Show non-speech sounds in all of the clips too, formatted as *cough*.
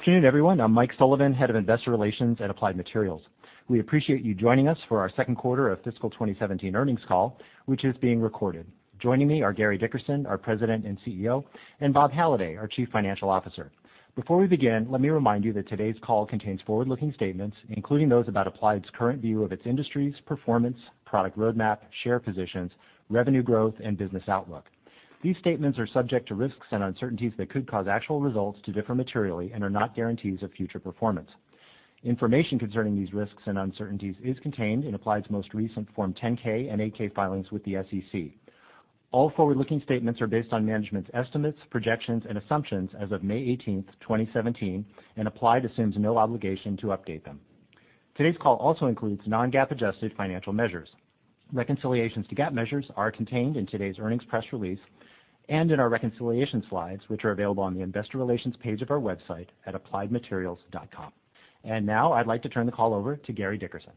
Afternoon, everyone. I'm Mike Sullivan, Head of Investor Relations at Applied Materials. We appreciate you joining us for our second quarter of fiscal 2017 earnings call, which is being recorded. Joining me are Gary Dickerson, our President and CEO, and Bob Halliday, our Chief Financial Officer. Before we begin, let me remind you that today's call contains forward-looking statements, including those about Applied's current view of its industry's performance, product roadmap, share positions, revenue growth, and business outlook. These statements are subject to risks and uncertainties that could cause actual results to differ materially and are not guarantees of future performance. Information concerning these risks and uncertainties is contained in Applied's most recent Form 10-K and 8-K filings with the SEC. All forward-looking statements are based on management's estimates, projections, and assumptions as of May 18th, 2017, Applied assumes no obligation to update them. Today's call also includes non-GAAP adjusted financial measures. Reconciliations to GAAP measures are contained in today's earnings press release and in our reconciliation slides, which are available on the investor relations page of our website at appliedmaterials.com. Now I'd like to turn the call over to Gary Dickerson.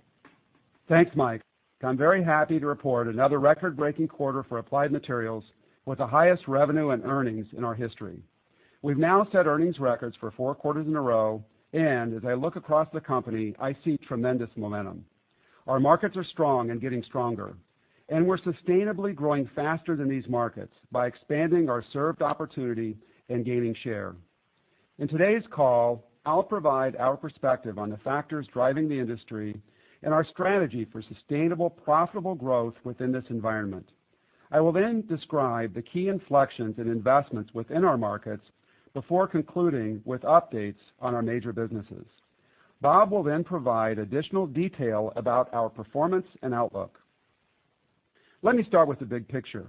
Thanks, Mike. I'm very happy to report another record-breaking quarter for Applied Materials with the highest revenue and earnings in our history. We've now set earnings records for four quarters in a row, as I look across the company, I see tremendous momentum. Our markets are strong and getting stronger, we're sustainably growing faster than these markets by expanding our served opportunity and gaining share. In today's call, I'll provide our perspective on the factors driving the industry and our strategy for sustainable, profitable growth within this environment. I will describe the key inflections and investments within our markets before concluding with updates on our major businesses. Bob will provide additional detail about our performance and outlook. Let me start with the big picture.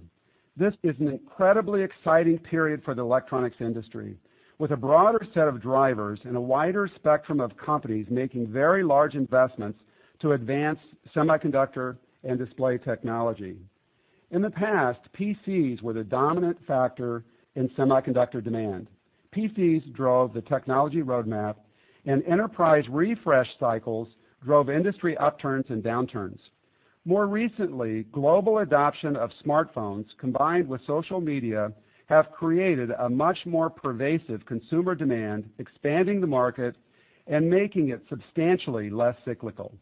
This is an incredibly exciting period for the electronics industry, with a broader set of drivers and a wider spectrum of companies making very large investments to advance semiconductor and display technology. In the past, PCs were the dominant factor in semiconductor demand. PCs drove the technology roadmap enterprise refresh cycles drove industry upturns and downturns. More recently, global adoption of smartphones combined with social media have created a much more pervasive consumer demand, expanding the market and making it substantially less cyclical.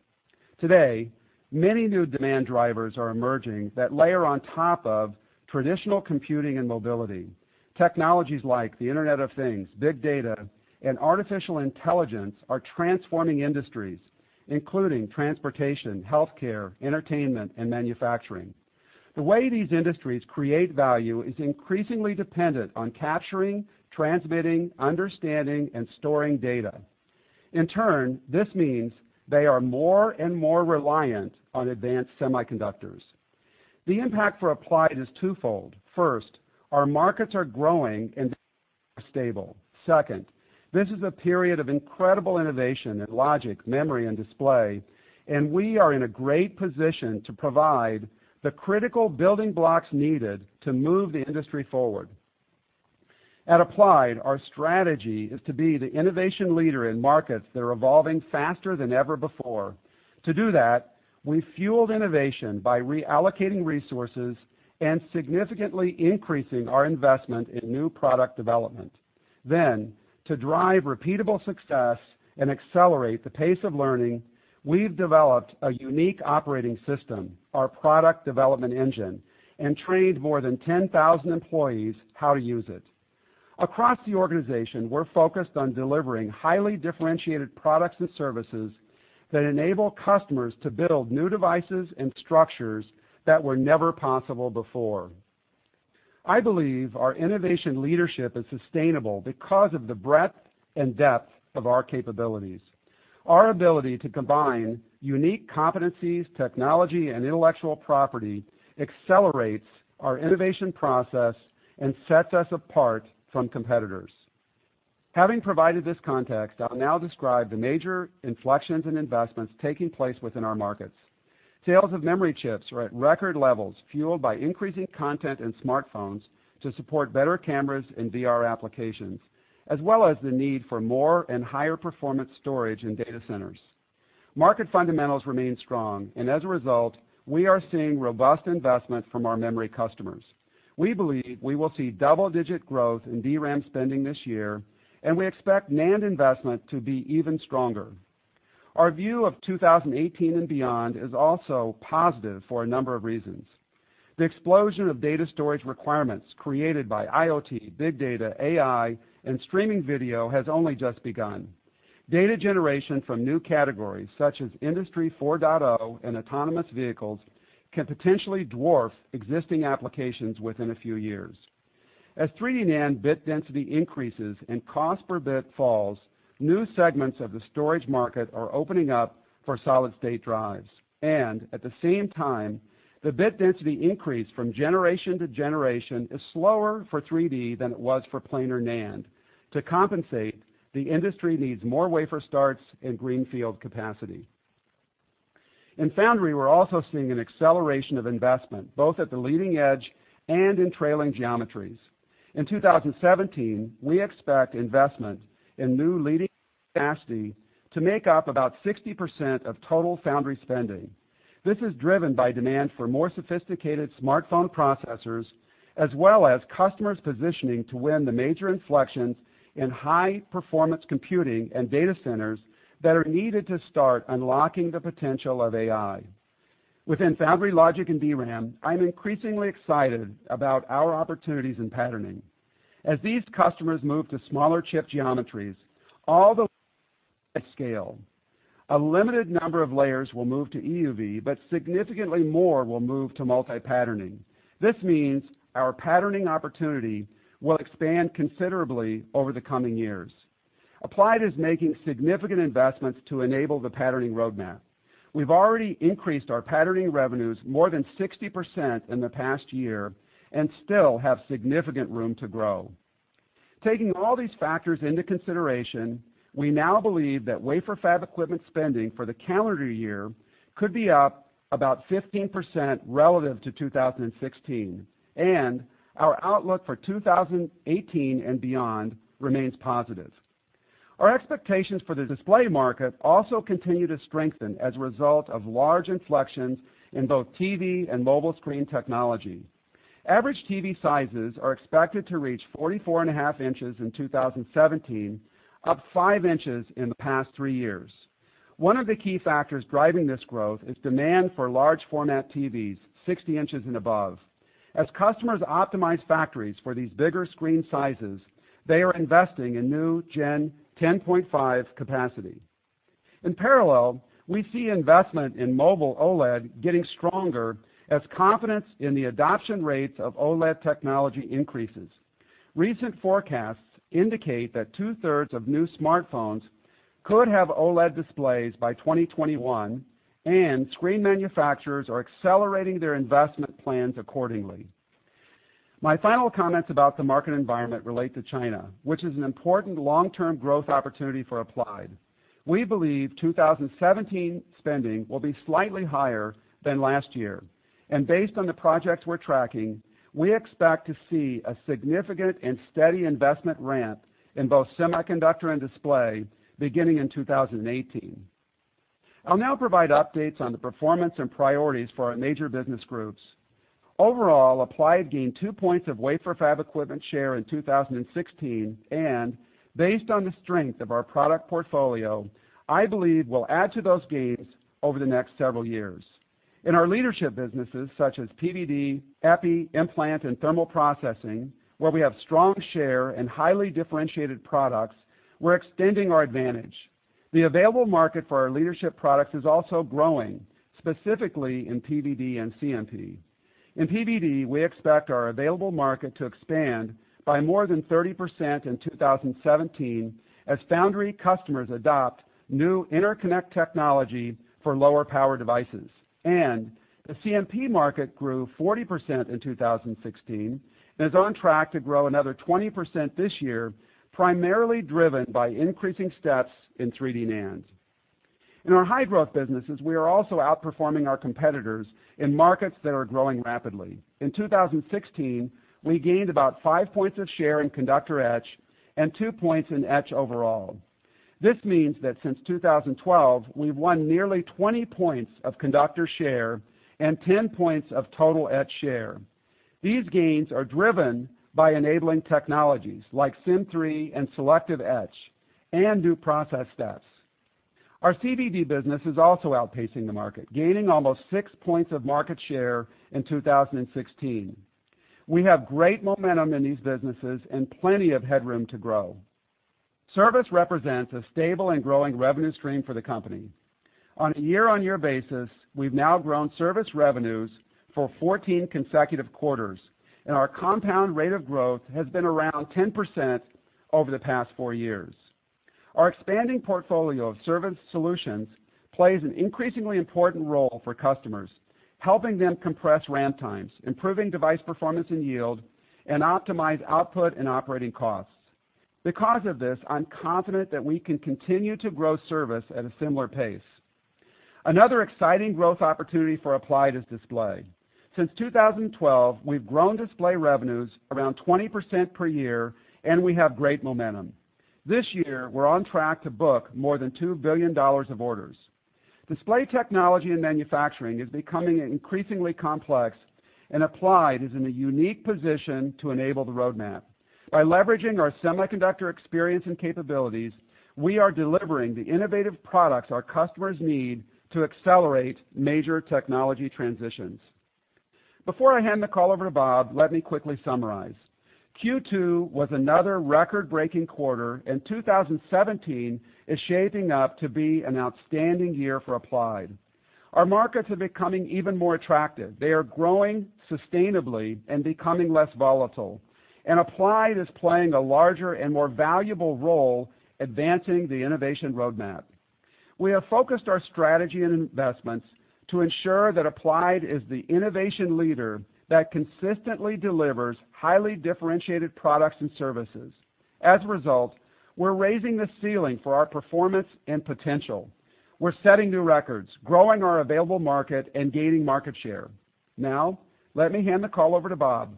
Today, many new demand drivers are emerging that layer on top of traditional computing and mobility. Technologies like the Internet of Things, big data, and AI are transforming industries, including transportation, healthcare, entertainment, and manufacturing. The way these industries create value is increasingly dependent on capturing, transmitting, understanding, and storing data. This means they are more and more reliant on advanced semiconductors. The impact for Applied is twofold. First, our markets are growing and stable. Second, this is a period of incredible innovation in logic, memory, and display, and we are in a great position to provide the critical building blocks needed to move the industry forward. At Applied, our strategy is to be the innovation leader in markets that are evolving faster than ever before. To do that, we fueled innovation by reallocating resources and significantly increasing our investment in new product development. Then, to drive repeatable success and accelerate the pace of learning, we've developed a unique operating system, our product development engine, and trained more than 10,000 employees how to use it. Across the organization, we're focused on delivering highly differentiated products and services that enable customers to build new devices and structures that were never possible before. I believe our innovation leadership is sustainable because of the breadth and depth of our capabilities. Our ability to combine unique competencies, technology, and intellectual property accelerates our innovation process and sets us apart from competitors. Having provided this context, I'll now describe the major inflections and investments taking place within our markets. Sales of memory chips are at record levels, fueled by increasing content in smartphones to support better cameras and VR applications, as well as the need for more and higher performance storage in data centers. Market fundamentals remain strong, and as a result, we are seeing robust investment from our memory customers. We believe we will see double-digit growth in DRAM spending this year, and we expect NAND investment to be even stronger. Our view of 2018 and beyond is also positive for a number of reasons. The explosion of data storage requirements created by IoT, big data, AI, and streaming video has only just begun. Data generation from new categories such as Industry 4.0 and autonomous vehicles can potentially dwarf existing applications within a few years. As 3D NAND bit density increases and cost per bit falls, new segments of the storage market are opening up for solid-state drives, and at the same time, the bit density increase from generation to generation is slower for 3D than it was for planar NAND. To compensate, the industry needs more wafer starts and greenfield capacity. In foundry, we're also seeing an acceleration of investment, both at the leading edge and in trailing geometries. In 2017, we expect investment in new leading capacity to make up about 60% of total foundry spending. This is driven by demand for more sophisticated smartphone processors, as well as customers positioning to win the major inflections in high-performance computing and data centers that are needed to start unlocking the potential of AI. Within foundry logic and DRAM, I'm increasingly excited about our opportunities in patterning. As these customers move to smaller chip geometries, a limited number of layers will move to EUV, but significantly more will move to multi-patterning. This means our patterning opportunity will expand considerably over the coming years. Applied is making significant investments to enable the patterning roadmap. We've already increased our patterning revenues more than 60% in the past year and still have significant room to grow. Taking all these factors into consideration, we now believe that wafer fab equipment spending for the calendar year could be up about 15% relative to 2016, and our outlook for 2018 and beyond remains positive. Our expectations for the display market also continue to strengthen as a result of large inflections in both TV and mobile screen technology. Average TV sizes are expected to reach 44.5 inches in 2017, up five inches in the past three years. One of the key factors driving this growth is demand for large format TVs 60 inches and above. As customers optimize factories for these bigger screen sizes, they are investing in new Gen 10.5 capacity. In parallel, we see investment in mobile OLED getting stronger as confidence in the adoption rates of OLED technology increases. Recent forecasts indicate that two-thirds of new smartphones could have OLED displays by 2021. Screen manufacturers are accelerating their investment plans accordingly. My final comments about the market environment relate to China, which is an important long-term growth opportunity for Applied. We believe 2017 spending will be slightly higher than last year. Based on the projects we're tracking, we expect to see a significant and steady investment ramp in both semiconductor and display beginning in 2018. I'll now provide updates on the performance and priorities for our major business groups. Overall, Applied gained two points of wafer fab equipment share in 2016, and based on the strength of our product portfolio, I believe we'll add to those gains over the next several years. In our leadership businesses, such as PVD, epi, implant, and thermal processing, where we have strong share and highly differentiated products, we're extending our advantage. The available market for our leadership products is also growing, specifically in PVD and CMP. In PVD, we expect our available market to expand by more than 30% in 2017 as foundry customers adopt new interconnect technology for lower power devices. The CMP market grew 40% in 2016 and is on track to grow another 20% this year, primarily driven by increasing steps in 3D NAND. In our high-growth businesses, we are also outperforming our competitors in markets that are growing rapidly. In 2016, we gained about five points of share in conductor etch and two points in etch overall. This means that since 2012, we've won nearly 20 points of conductor share and 10 points of total etch share. These gains are driven by enabling technologies like Sym3 and selective etch and new process steps. Our CVD business is also outpacing the market, gaining almost six points of market share in 2016. We have great momentum in these businesses and plenty of headroom to grow. Service represents a stable and growing revenue stream for the company. On a year-on-year basis, we've now grown service revenues for 14 consecutive quarters, and our compound rate of growth has been around 10% over the past four years. Our expanding portfolio of service solutions plays an increasingly important role for customers, helping them compress ramp times, improving device performance and yield, and optimize output and operating costs. Because of this, I'm confident that we can continue to grow service at a similar pace. Another exciting growth opportunity for Applied is display. Since 2012, we've grown display revenues around 20% per year, and we have great momentum. This year, we're on track to book more than $2 billion of orders. Display technology and manufacturing is becoming increasingly complex. Applied is in a unique position to enable the roadmap. By leveraging our semiconductor experience and capabilities, we are delivering the innovative products our customers need to accelerate major technology transitions. Before I hand the call over to Bob, let me quickly summarize. Q2 was another record-breaking quarter. 2017 is shaping up to be an outstanding year for Applied. Our markets are becoming even more attractive. They are growing sustainably and becoming less volatile. Applied is playing a larger and more valuable role advancing the innovation roadmap. We have focused our strategy and investments to ensure that Applied is the innovation leader that consistently delivers highly differentiated products and services. As a result, we're raising the ceiling for our performance and potential. We're setting new records, growing our available market and gaining market share. Now, let me hand the call over to Bob.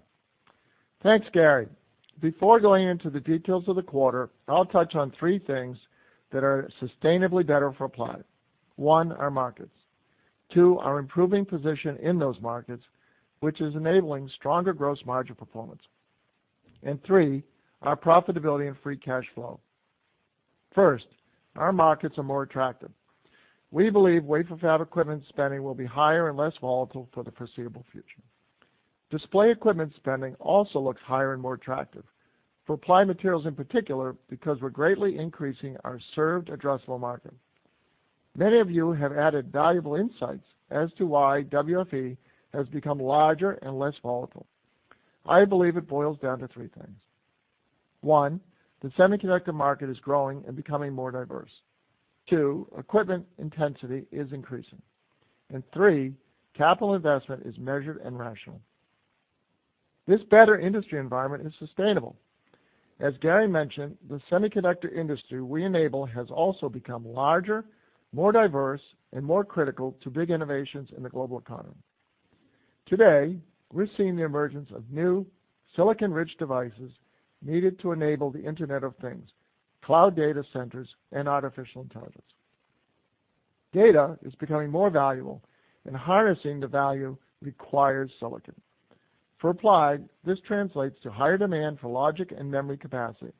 Thanks, Gary. Before going into the details of the quarter, I'll touch on three things that are sustainably better for Applied. One, our markets. Two, our improving position in those markets, which is enabling stronger gross margin performance. Three, our profitability and free cash flow. First, our markets are more attractive. We believe wafer fab equipment spending will be higher and less volatile for the foreseeable future. Display equipment spending also looks higher and more attractive for Applied Materials, in particular, because we're greatly increasing our served addressable market. Many of you have added valuable insights as to why WFE has become larger and less volatile. I believe it boils down to three things. One, the semiconductor market is growing and becoming more diverse. Two, equipment intensity is increasing. Three, capital investment is measured and rational. This better industry environment is sustainable. As Gary mentioned, the semiconductor industry we enable has also become larger, more diverse, and more critical to big innovations in the global economy. Today, we're seeing the emergence of new silicon-rich devices needed to enable the Internet of Things, cloud data centers, and artificial intelligence. Data is becoming more valuable, and harnessing the value requires silicon. For Applied, this translates to higher demand for logic and memory capacity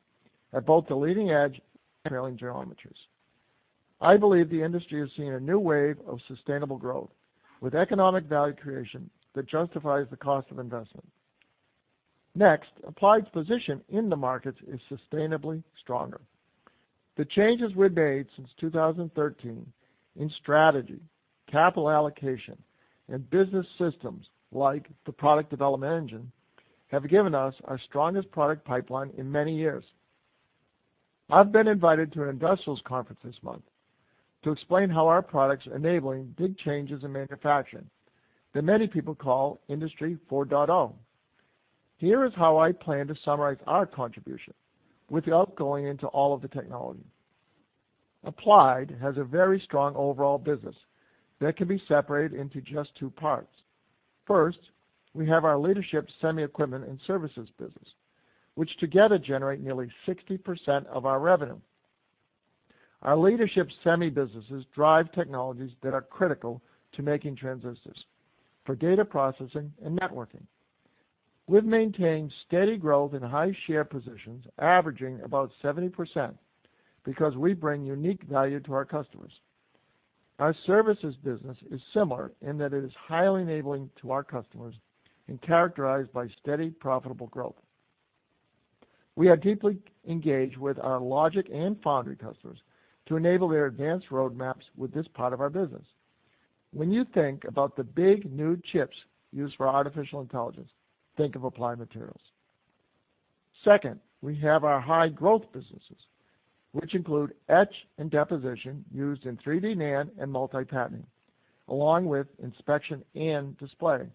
at both the leading-edge and trailing geometries. I believe the industry is seeing a new wave of sustainable growth with economic value creation that justifies the cost of investment. Next, Applied's position in the markets is sustainably stronger. The changes we've made since 2013 in strategy, capital allocation, and business systems, like the product development engine, have given us our strongest product pipeline in many years. I've been invited to an industrials conference this month to explain how our products are enabling big changes in manufacturing that many people call Industry 4.0. Here is how I plan to summarize our contribution without going into all of the technology. Applied has a very strong overall business that can be separated into just two parts. First, we have our leadership semi equipment and services business, which together generate nearly 60% of our revenue. Our leadership semi businesses drive technologies that are critical to making transistors for data processing and networking. We've maintained steady growth and high share positions, averaging about 70%, because we bring unique value to our customers. Our services business is similar in that it is highly enabling to our customers and characterized by steady, profitable growth. We are deeply engaged with our logic and foundry customers to enable their advanced roadmaps with this part of our business. When you think about the big new chips used for artificial intelligence, think of Applied Materials. Second, we have our high-growth businesses, which include etch and deposition used in 3D NAND and multi-patterning, along with inspection and display.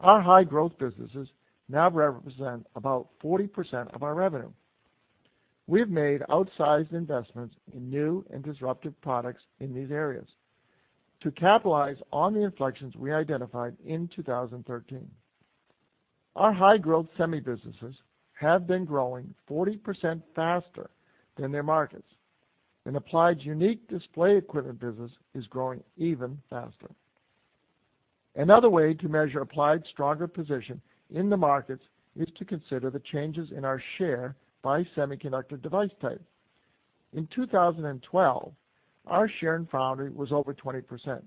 Our high-growth businesses now represent about 40% of our revenue. We have made outsized investments in new and disruptive products in these areas to capitalize on the inflections we identified in 2013. Our high-growth semi businesses have been growing 40% faster than their markets, and Applied's unique display equipment business is growing even faster. Another way to measure Applied's stronger position in the markets is to consider the changes in our share by semiconductor device type. In 2012, our share in foundry was over 20%,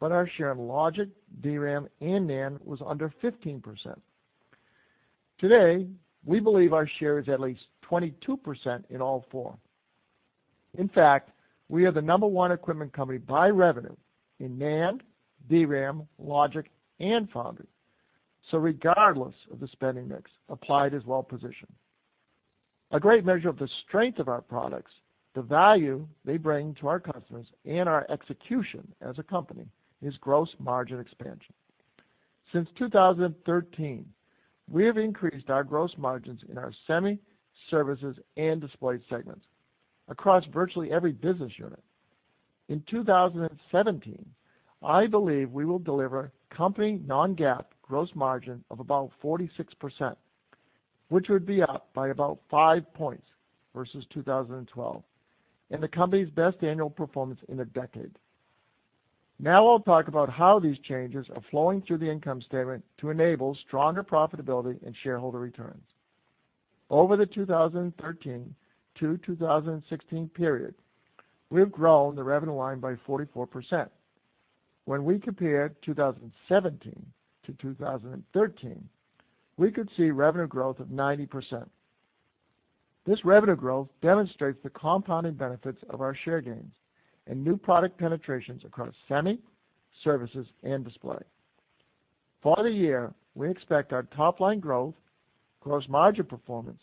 but our share in logic, DRAM, and NAND was under 15%. Today, we believe our share is at least 22% in all four. In fact, we are the number one equipment company by revenue in NAND, DRAM, logic, and foundry. Regardless of the spending mix, Applied is well-positioned. A great measure of the strength of our products, the value they bring to our customers, and our execution as a company is gross margin expansion. Since 2013, we have increased our gross margins in our semi, services, and display segments across virtually every business unit. In 2017, I believe we will deliver company non-GAAP gross margin of about 46%, which would be up by about five points versus 2012 and the company's best annual performance in a decade. Now I'll talk about how these changes are flowing through the income statement to enable stronger profitability and shareholder returns. Over the 2013 to 2016 period, we've grown the revenue line by 44%. When we compare 2017 to 2013, we could see revenue growth of 90%. This revenue growth demonstrates the compounding benefits of our share gains and new product penetrations across semi, services, and display. For the year, we expect our top-line growth, gross margin performance,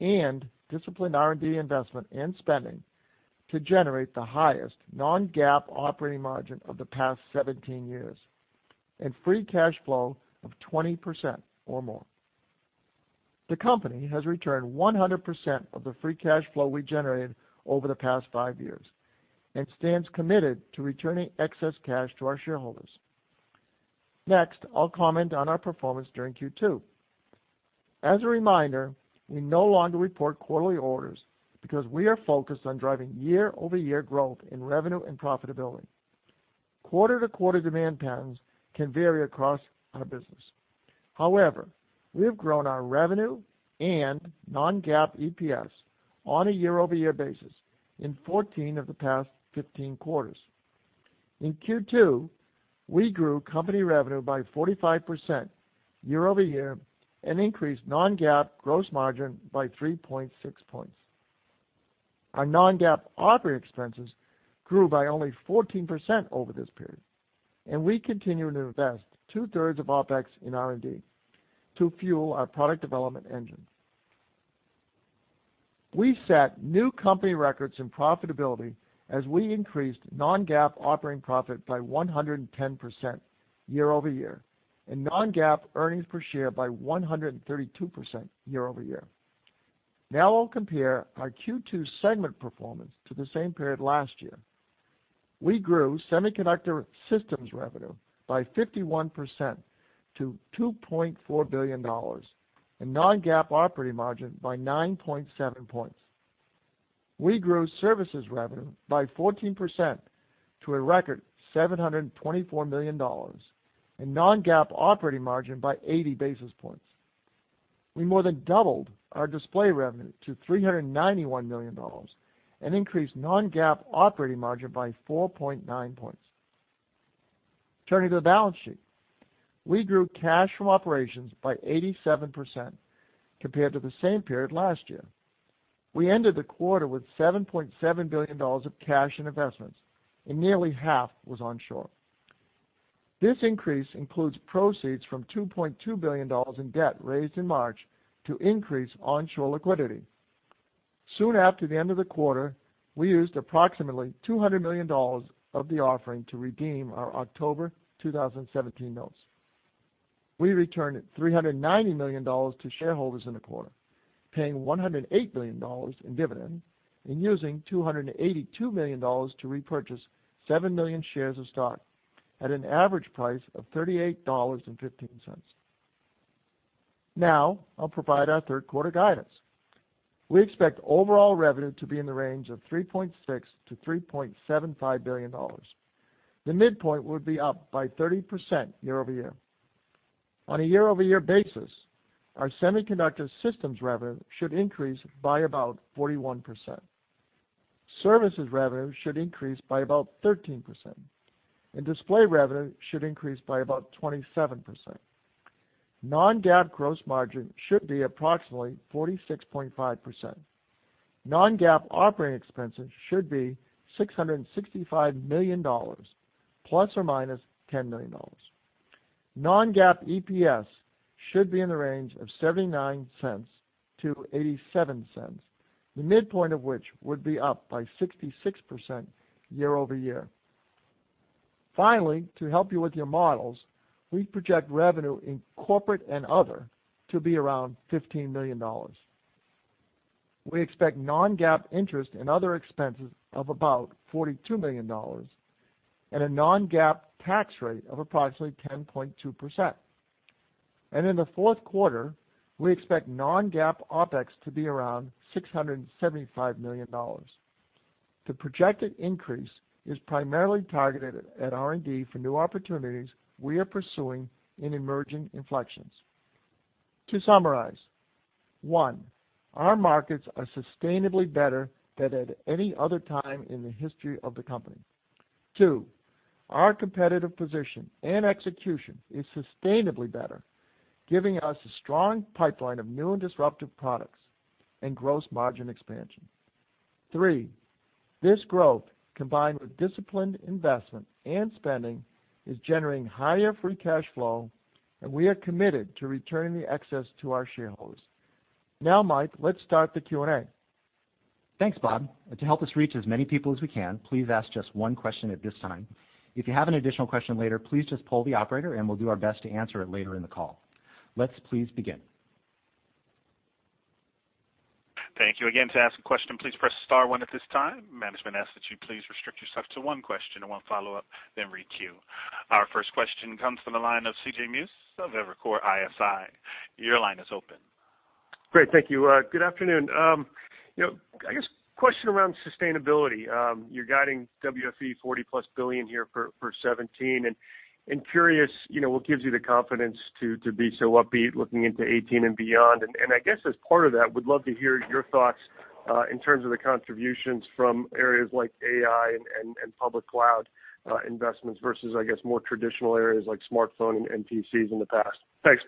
and disciplined R&D investment and spending to generate the highest non-GAAP operating margin of the past 17 years and free cash flow of 20% or more. The company has returned 100% of the free cash flow we generated over the past five years and stands committed to returning excess cash to our shareholders. Next, I'll comment on our performance during Q2. As a reminder, we no longer report quarterly orders because we are focused on driving year-over-year growth in revenue and profitability. Quarter-to-quarter demand patterns can vary across our business. However, we have grown our revenue and non-GAAP EPS on a year-over-year basis in 14 of the past 15 quarters. In Q2, we grew company revenue by 45% year-over-year and increased non-GAAP gross margin by 3.6 points. Our non-GAAP operating expenses grew by only 14% over this period, and we continue to invest two-thirds of OpEx in R&D to fuel our product development engine. We set new company records in profitability as we increased non-GAAP operating profit by 110% year-over-year, and non-GAAP earnings per share by 132% year-over-year. Now I'll compare our Q2 segment performance to the same period last year. We grew semiconductor systems revenue by 51% to $2.4 billion, and non-GAAP operating margin by 9.7 points. We grew services revenue by 14% to a record $724 million, and non-GAAP operating margin by 80 basis points. We more than doubled our display revenue to $391 million and increased non-GAAP operating margin by 4.9 points. Turning to the balance sheet. We grew cash from operations by 87% compared to the same period last year. We ended the quarter with $7.7 billion of cash and investments, and nearly half was onshore. This increase includes proceeds from $2.2 billion in debt raised in March to increase onshore liquidity. Soon after the end of the quarter, we used approximately $200 million of the offering to redeem our October 2017 notes. We returned $390 million to shareholders in the quarter, paying $108 million in dividends and using $282 million to repurchase 7 million shares of stock at an average price of $38.15. Now, I'll provide our third quarter guidance. We expect overall revenue to be in the range of $3.6 billion-$3.75 billion. The midpoint would be up by 30% year-over-year. On a year-over-year basis, our semiconductor systems revenue should increase by about 41%. Services revenue should increase by about 13%, and display revenue should increase by about 27%. Non-GAAP gross margin should be approximately 46.5%. Non-GAAP operating expenses should be $665 million ± $10 million. Non-GAAP EPS should be in the range of $0.79-$0.87, the midpoint of which would be up by 66% year-over-year. Finally, to help you with your models, we project revenue in corporate and other to be around $15 million. We expect non-GAAP interest and other expenses of about $42 million and a non-GAAP tax rate of approximately 10.2%. In the fourth quarter, we expect non-GAAP OpEx to be around $675 million. The projected increase is primarily targeted at R&D for new opportunities we are pursuing in emerging inflections. To summarize, 1, our markets are sustainably better than at any other time in the history of the company. 2, our competitive position and execution is sustainably better, giving us a strong pipeline of new and disruptive products and gross margin expansion. 3, this growth, combined with disciplined investment and spending, is generating higher free cash flow, and we are committed to returning the excess to our shareholders. Now, Mike, let's start the Q&A. Thanks, Bob. To help us reach as many people as we can, please ask just one question at this time. If you have an additional question later, please just poll the operator and we'll do our best to answer it later in the call. Let's please begin. Thank you again. To ask a question, please press star one at this time. Management asks that you please restrict yourself to one question and one follow-up, re-queue. Our first question comes from the line of C.J. Muse of Evercore ISI. Your line is open. Great, thank you. Good afternoon. I guess question around sustainability. You're guiding WFE $40 billion+ here for 2017, and curious what gives you the confidence to be so upbeat looking into 2018 and beyond? I guess as part of that, would love to hear your thoughts in terms of the contributions from areas like AI and public cloud investments versus, I guess, more traditional areas like smartphone and PCs in the past. Thanks.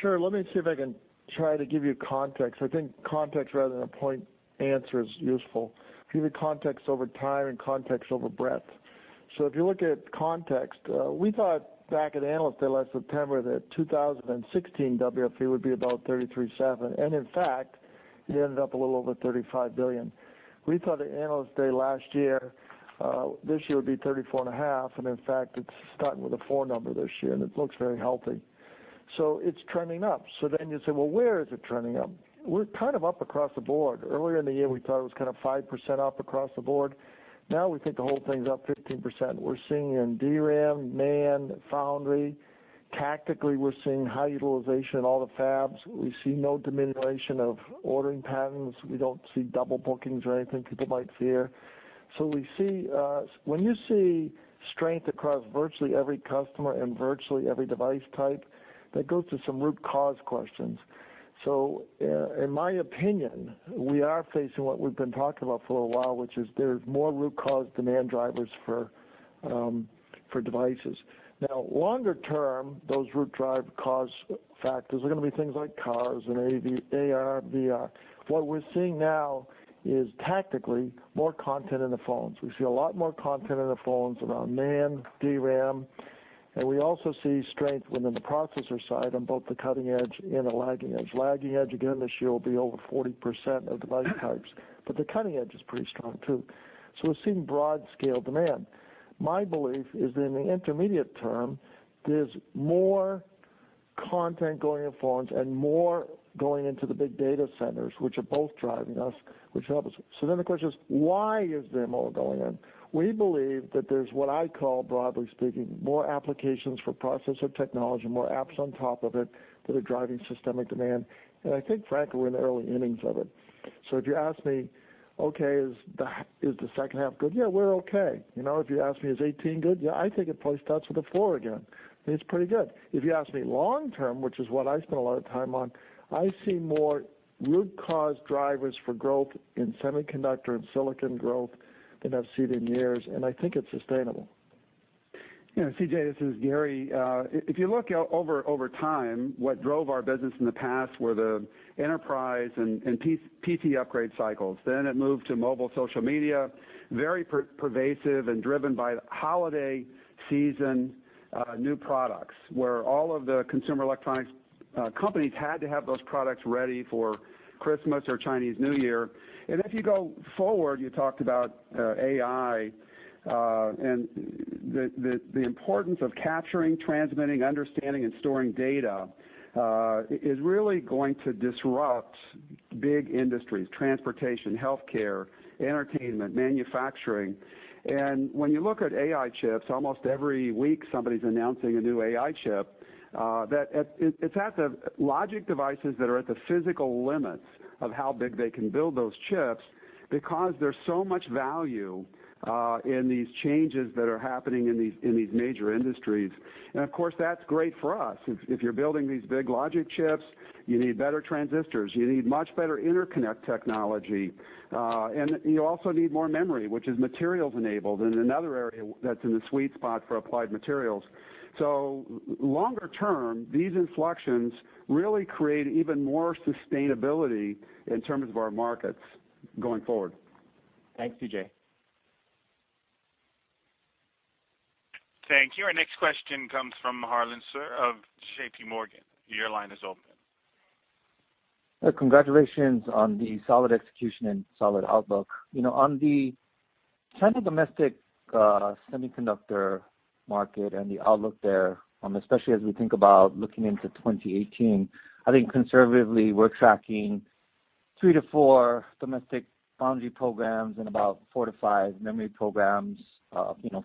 Sure. Let me see if I can try to give you context. I think context rather than a point answer is useful. Give you context over time and context over breadth. If you look at context, we thought back at Analyst Day last September that 2016 WFE would be about $33.7 billion. In fact It ended up a little over $35 billion. We thought at Analyst Day last year, this year would be $34 and a half billion, and in fact, it's starting with a four number this year, and it looks very healthy. It's trending up. You say, "Well, where is it trending up?" We're kind of up across the board. Earlier in the year, we thought it was 5% up across the board. Now we think the whole thing's up 15%. We're seeing it in DRAM, NAND, foundry. Tactically, we're seeing high utilization in all the fabs. We see no diminution of ordering patterns. We don't see double bookings or anything people might fear. When you see strength across virtually every customer and virtually every device type, that goes to some root cause questions. In my opinion, we are facing what we've been talking about for a while, which is there's more root cause demand drivers for devices. Longer term, those root drive cause factors are going to be things like cars and AR/VR. What we're seeing now is tactically more content in the phones. We see a lot more content in the phones around NAND, DRAM, and we also see strength within the processor side on both the cutting edge and the lagging edge. Lagging edge, again, this year will be over 40% of device types, but the cutting edge is pretty strong too. We're seeing broad scale demand. My belief is that in the intermediate term, there's more content going in phones and more going into the big data centers, which are both driving us, which helps us. The question is, why is them all going in? We believe that there's what I call, broadly speaking, more applications for processor technology, more apps on top of it that are driving systemic demand. I think, frankly, we're in the early innings of it. If you ask me, "Okay, is the second half good?" Yeah, we're okay. If you ask me, "Is 2018 good?" Yeah, I think it probably starts with a four again, and it's pretty good. If you ask me long term, which is what I spend a lot of time on, I see more root cause drivers for growth in semiconductor and silicon growth than I've seen in years, and I think it's sustainable. C.J., this is Gary. If you look over time, what drove our business in the past were the enterprise and PC upgrade cycles. It moved to mobile social media, very pervasive and driven by holiday season new products, where all of the consumer electronics companies had to have those products ready for Christmas or Chinese New Year. If you go forward, you talked about AI, and the importance of capturing, transmitting, understanding, and storing data is really going to disrupt big industries, transportation, healthcare, entertainment, manufacturing. When you look at AI chips, almost every week somebody's announcing a new AI chip. Logic devices that are at the physical limits of how big they can build those chips because there's so much value in these changes that are happening in these major industries. Of course, that's great for us. If you're building these big logic chips, you need better transistors, you need much better interconnect technology, and you also need more memory, which is materials enabled and another area that's in the sweet spot for Applied Materials. Longer term, these inflections really create even more sustainability in terms of our markets going forward. Thanks, C.J. Thank you. Our next question comes from Harlan Sur of J.P. Morgan. Your line is open. Congratulations on the solid execution and solid outlook. On the China domestic semiconductor market and the outlook there, especially as we think about looking into 2018, I think conservatively we're tracking three to four domestic foundry programs and about four to five memory programs.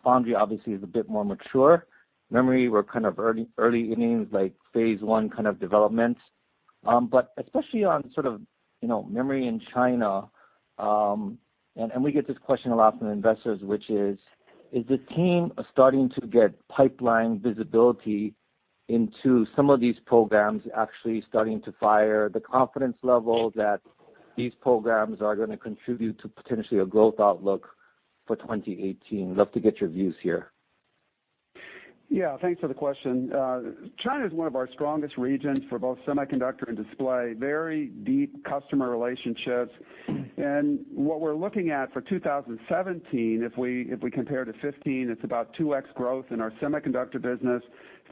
Foundry obviously is a bit more mature. Memory, we're kind of early innings, like phase one development. Especially on memory in China, and we get this question a lot from investors, which is: Is the team starting to get pipeline visibility into some of these programs actually starting to fire the confidence level that these programs are going to contribute to potentially a growth outlook for 2018? Love to get your views here. Yeah. Thanks for the question. China's one of our strongest regions for both semiconductor and display. Very deep customer relationships. What we're looking at for 2017, if we compare to 2015, it's about 2x growth in our semiconductor business,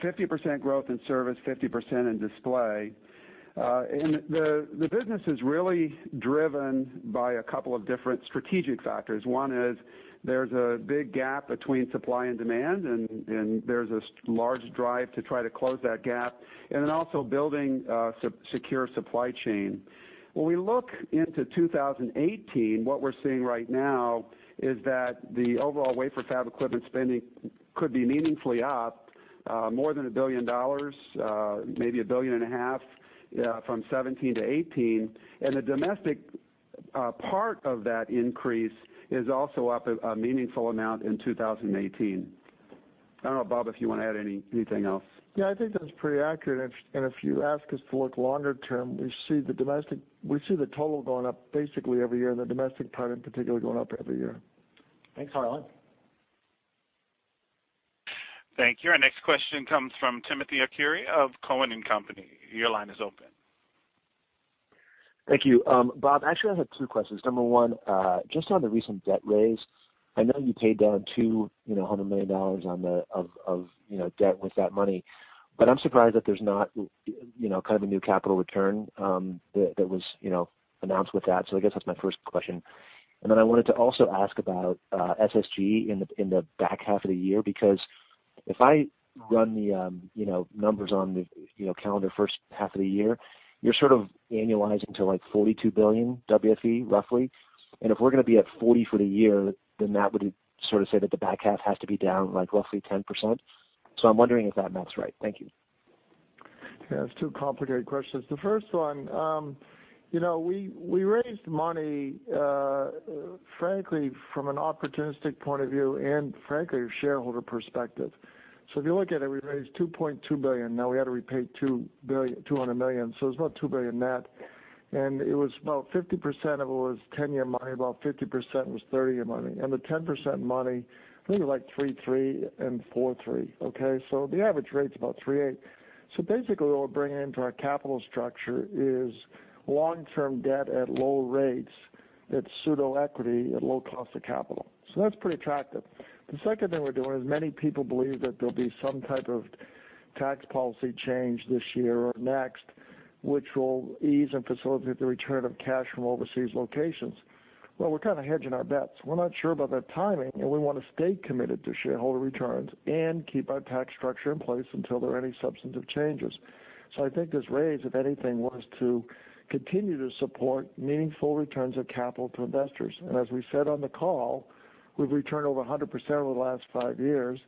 50% growth in service, 50% in display. The business is really driven by a couple of different strategic factors. One is there's a big gap between supply and demand, and there's this large drive to try to close that gap. Also building a secure supply chain. When we look into 2018, what we're seeing right now is that the overall wafer fab equipment spending could be meaningfully up more than $1 billion, maybe $1.5 billion from 2017 to 2018. The domestic part of that increase is also up a meaningful amount in 2018. I don't know, Bob, if you want to add anything else. Yeah, I think that's pretty accurate. If you ask us to look longer term, we see the total going up basically every year, and the domestic part in particular going up every year. Thanks, Harlan. Thank you. Our next question comes from Timothy Arcuri of Cowen and Company. Your line is open. Thank you. Bob, actually I have two questions. Number 1, just on the recent debt raise I know you paid down $200 million of debt with that money, but I'm surprised that there's not kind of a new capital return that was announced with that. I guess that's my first question. Then I wanted to also ask about SSG in the back half of the year, because if I run the numbers on the calendar first half of the year, you're sort of annualizing to like $42 billion WFE, roughly. If we're going to be at 40 for the year, that would sort of say that the back half has to be down like roughly 10%. I'm wondering if that math's right. Thank you. Yeah. That's two complicated questions. The first one, we raised money, frankly, from an opportunistic point of view and frankly, a shareholder perspective. If you look at it, we raised $2.2 billion. Now we had to repay $200 million, it's about $2 billion net, and it was about 50% of it was 10-year money, about 50% was 30-year money. The 10% money, I think it was like 3.3 and 4.3. Okay? The average rate's about 3.8. Basically what we're bringing into our capital structure is long-term debt at low rates. It's pseudo equity at low cost of capital. That's pretty attractive. The second thing we're doing is many people believe that there'll be some type of tax policy change this year or next, which will ease and facilitate the return of cash from overseas locations. Well, we're kind of hedging our bets. We're not sure about that timing, we want to stay committed to shareholder returns and keep our tax structure in place until there are any substantive changes. I think this raise, if anything, was to continue to support meaningful returns of capital to investors. As we said on the call, we've returned over 100% over the last five years.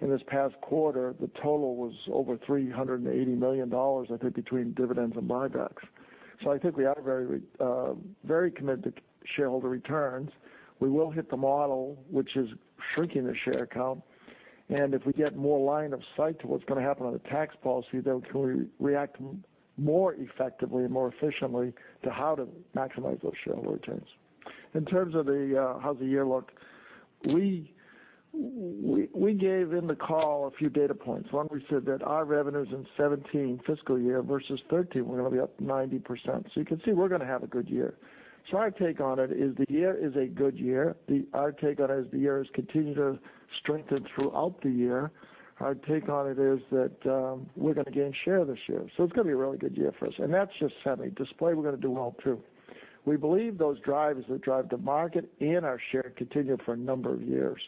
In this past quarter, the total was over $380 million, I think, between dividends and buybacks. I think we are very committed to shareholder returns. We will hit the model, which is shrinking the share count, if we get more line of sight to what's going to happen on the tax policy, we can react more effectively and more efficiently to how to maximize those shareholder returns. In terms of how's the year look, we gave in the call a few data points. One, we said that our revenues in 2017 fiscal year versus 2013 were going to be up 90%. You can see we're going to have a good year. Our take on it is the year is a good year. Our take on it as the year has continued to strengthen throughout the year, our take on it is that we're going to gain share this year. It's going to be a really good year for us, and that's just semi. Display, we're going to do well, too. We believe those drivers that drive the market and our share continue for a number of years.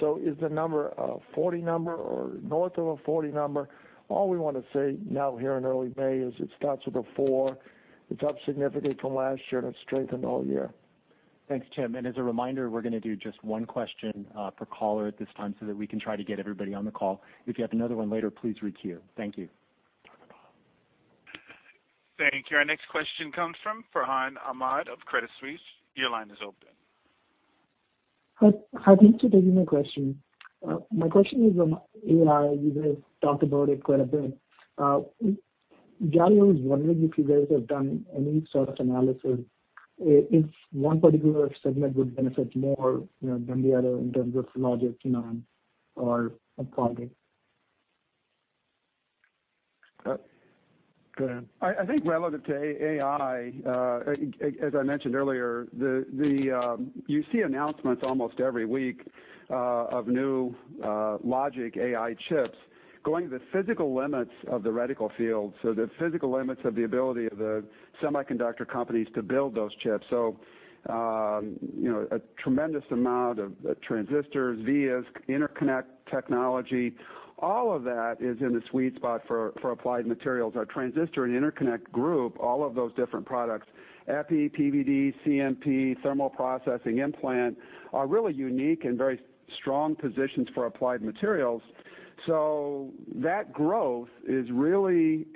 Is the number a 40 number or north of a 40 number? All we want to say now here in early May is it starts with a four. It's up significant from last year, and it's strengthened all year. Thanks, Tim. As a reminder, we're going to do just one question per caller at this time so that we can try to get everybody on the call. If you have another one later, please re-queue. Thank you. Thank you. Our next question comes from Farhan Ahmad of Credit Suisse. Your line is open. Hi. Thanks for taking my question. My question is on AI. You guys talked about it quite a bit. Gary, I was wondering if you guys have done any sort of analysis if one particular segment would benefit more than the other in terms of logic, NAND or. *inaudible* Go ahead. I think relative to AI, as I mentioned earlier, you see announcements almost every week of new logic AI chips going to the physical limits of the reticle field, so the physical limits of the ability of the semiconductor companies to build those chips. A tremendous amount of transistors, vias, interconnect technology, all of that is in the sweet spot for Applied Materials. Our transistor and interconnect group, all of those different products, EPI, PVD, CMP, thermal processing implant, are really unique and very strong positions for Applied Materials. That growth is really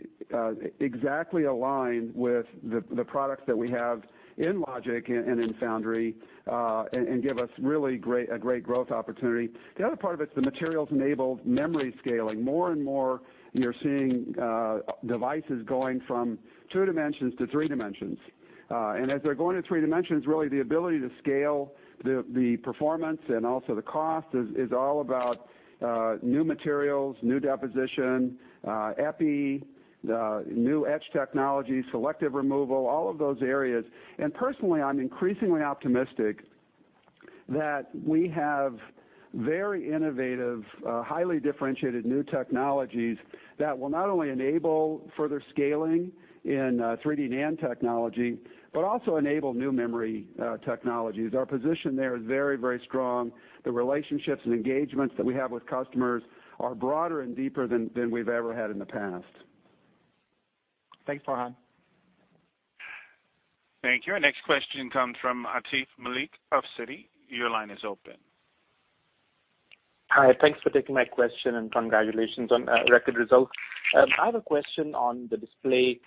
exactly aligned with the products that we have in Logic and in Foundry, and give us really a great growth opportunity. The other part of it's the materials-enabled memory scaling. More and more, you're seeing devices going from two dimensions to three dimensions. As they're going to three dimensions, really the ability to scale the performance and also the cost is all about new materials, new deposition, EPI, new etch technology, selective removal, all of those areas. Personally, I'm increasingly optimistic that we have very innovative, highly differentiated new technologies that will not only enable further scaling in 3D NAND technology, but also enable new memory technologies. Our position there is very strong. The relationships and engagements that we have with customers are broader and deeper than we've ever had in the past. Thanks, Farhan. Thank you. Our next question comes from Atif Malik of Citi. Your line is open. Hi. Thanks for taking my question, and congratulations on record results. I have a question on the display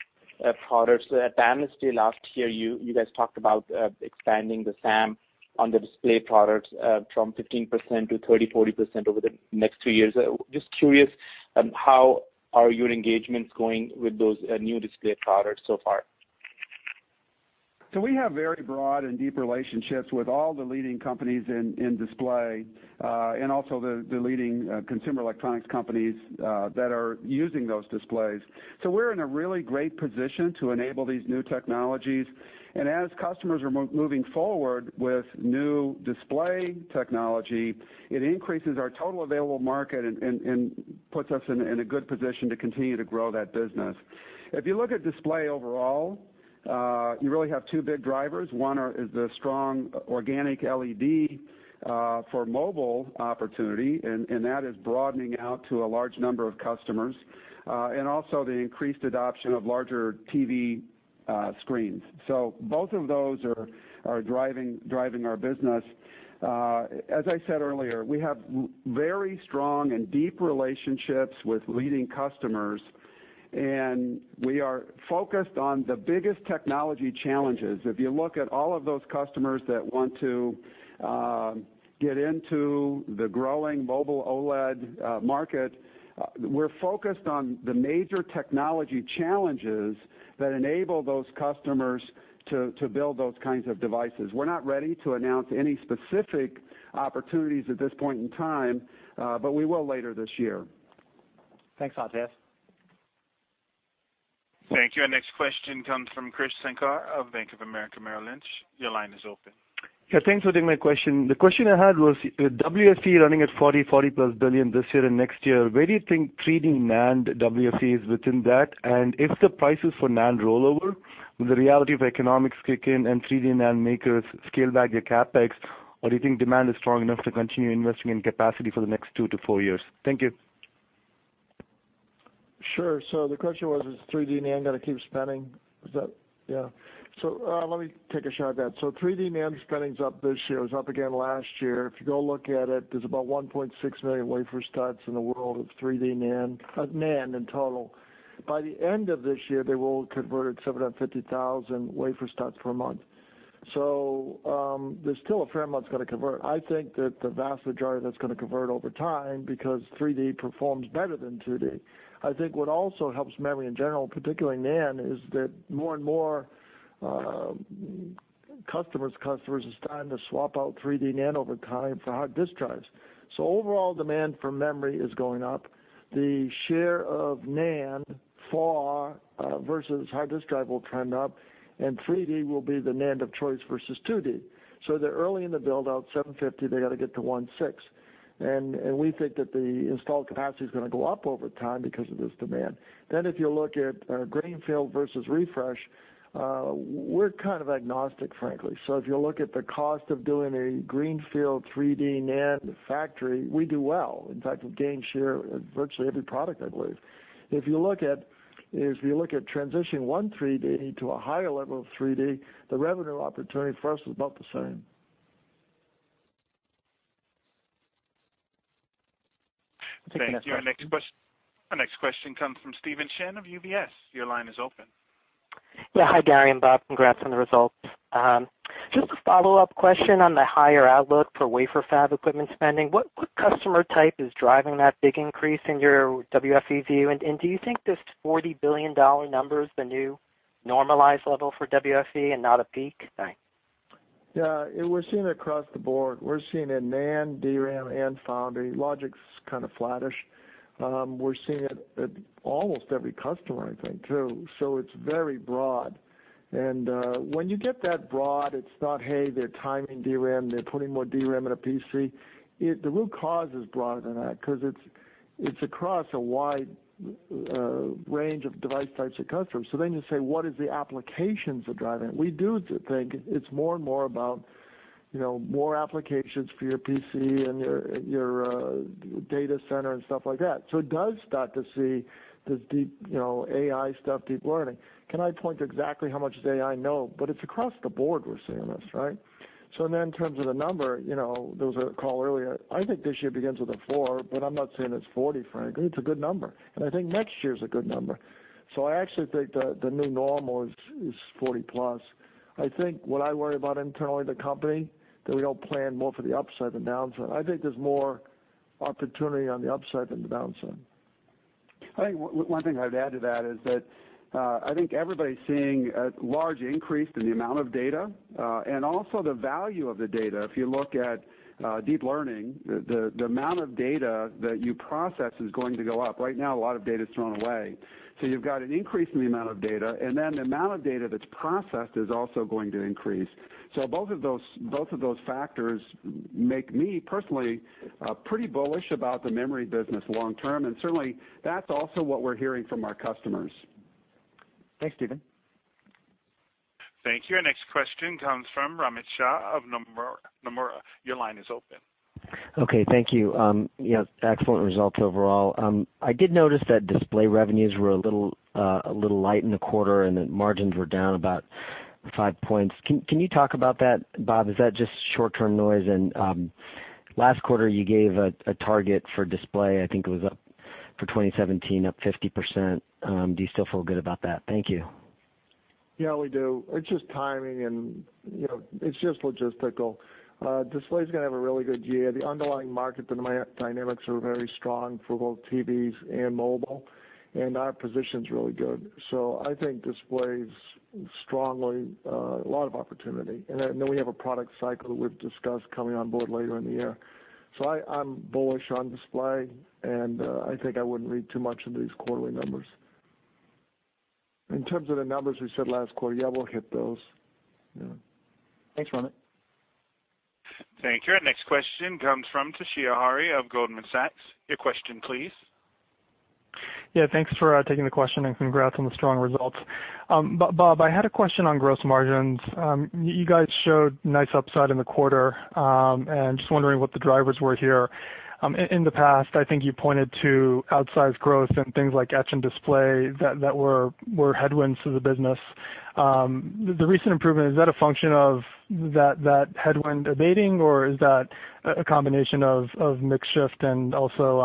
products. At Analyst Day last year, you guys talked about expanding the SAM on the display products from 15% to 30%, 40% over the next two years. Just curious, how are your engagements going with those new display products so far? We have very broad and deep relationships with all the leading companies in display, and also the leading consumer electronics companies that are using those displays. We're in a really great position to enable these new technologies. As customers are moving forward with new display technology, it increases our total available market and puts us in a good position to continue to grow that business. If you look at display overall, you really have two big drivers. One is the strong organic LED for mobile opportunity, and that is broadening out to a large number of customers, and also the increased adoption of larger TV screens. Both of those are driving our business. As I said earlier, we have very strong and deep relationships with leading customers, and we are focused on the biggest technology challenges. If you look at all of those customers that want to get into the growing mobile OLED market, we're focused on the major technology challenges that enable those customers to build those kinds of devices. We're not ready to announce any specific opportunities at this point in time, but we will later this year. Thanks, Atif. Thank you. Our next question comes from Krish Sankar of Bank of America Merrill Lynch. Your line is open. Yeah, thanks for taking my question. The question I had was WFE running at $40-plus billion this year and next year. Where do you think 3D NAND WFE is within that? If the prices for NAND roll over, the reality of economics kick in and 3D NAND makers scale back their CapEx, or do you think demand is strong enough to continue investing in capacity for the next two to four years? Thank you. Sure. The question was, is 3D NAND going to keep spending? Yeah. Let me take a shot at that. 3D NAND spending's up this year. It was up again last year. If you go look at it, there's about 1.6 million wafer starts in the world of 3D NAND in total. By the end of this year, they will convert at 750,000 wafer starts per month. There's still a fair amount that's got to convert. I think that the vast majority that's going to convert over time, because 3D performs better than 2D. I think what also helps memory in general, particularly NAND, is that more and more customers' customers are starting to swap out 3D NAND over time for hard disk drives. Overall demand for memory is going up. The share of NAND for versus hard disk drive will trend up, 3D will be the NAND of choice versus 2D. They're early in the build-out, 750, they got to get to 1.6 million. We think that the installed capacity is going to go up over time because of this demand. If you look at greenfield versus refresh, we're kind of agnostic, frankly. If you look at the cost of doing a greenfield 3D NAND factory, we do well. In fact, we've gained share in virtually every product, I believe. If you look at transitioning one 3D to a higher level of 3D, the revenue opportunity for us is about the same. Thank you. Our next question comes from Steve Shin of UBS. Your line is open. Yeah. Hi, Gary and Bob. Congrats on the results. Just a follow-up question on the higher outlook for wafer fab equipment spending. What customer type is driving that big increase in your WFE view? Do you think this $40 billion number is the new normalized level for WFE and not a peak? Thanks. Yeah. We're seeing it across the board. We're seeing it in NAND, DRAM, and foundry. Logic's kind of flattish. We're seeing it at almost every customer, I think, too. It's very broad. When you get that broad, it's not, hey, they're timing DRAM, they're putting more DRAM in a PC. The root cause is broader than that because it's across a wide range of device types of customers. You say, what is the applications that are driving it? We do think it's more and more about more applications for your PC and your data center and stuff like that. It does start to see this AI stuff, deep learning. Can I point to exactly how much it's AI? No. It's across the board we're seeing this, right? In terms of the number, there was a call earlier. I think this year begins with a four, but I'm not saying it's 40, frankly. It's a good number. I think next year's a good number. I actually think the new normal is 40-plus. I think what I worry about internally in the company, that we don't plan more for the upside than downside. I think there's more opportunity on the upside than the downside. I think one thing I'd add to that is that I think everybody's seeing a large increase in the amount of data, and also the value of the data. If you look at deep learning, the amount of data that you process is going to go up. Right now, a lot of data is thrown away. You've got an increase in the amount of data, and then the amount of data that's processed is also going to increase. Both of those factors make me personally pretty bullish about the memory business long term, and certainly, that's also what we're hearing from our customers. Thanks, Steve. Thank you. Our next question comes from Romit Shah of Nomura. Your line is open. Okay. Thank you. Excellent results overall. I did notice that display revenues were a little light in the quarter, and the margins were down about 5 points. Can you talk about that, Bob? Is that just short-term noise? Last quarter, you gave a target for display. I think it was up for 2017, up 50%. Do you still feel good about that? Thank you. We do. It's just timing, and it's just logistical. Display's going to have a really good year. The underlying market dynamics are very strong for both TVs and mobile. Our position's really good. I think display's strongly a lot of opportunity. We have a product cycle we've discussed coming on board later in the year. I'm bullish on display, and I think I wouldn't read too much into these quarterly numbers. In terms ofRomit the numbers we said last quarter, we'll hit those. Yeah. Thanks, Romit. Thank you. Our next question comes from Toshiya Hari of Goldman Sachs. Your question, please. Thanks for taking the question and congrats on the strong results. Bob, I had a question on gross margins. You guys showed nice upside in the quarter. Just wondering what the drivers were here. In the past, I think you pointed to outsized growth and things like etch and display that were headwinds to the business. The recent improvement, is that a function of that headwind abating, or is that a combination of mix shift and also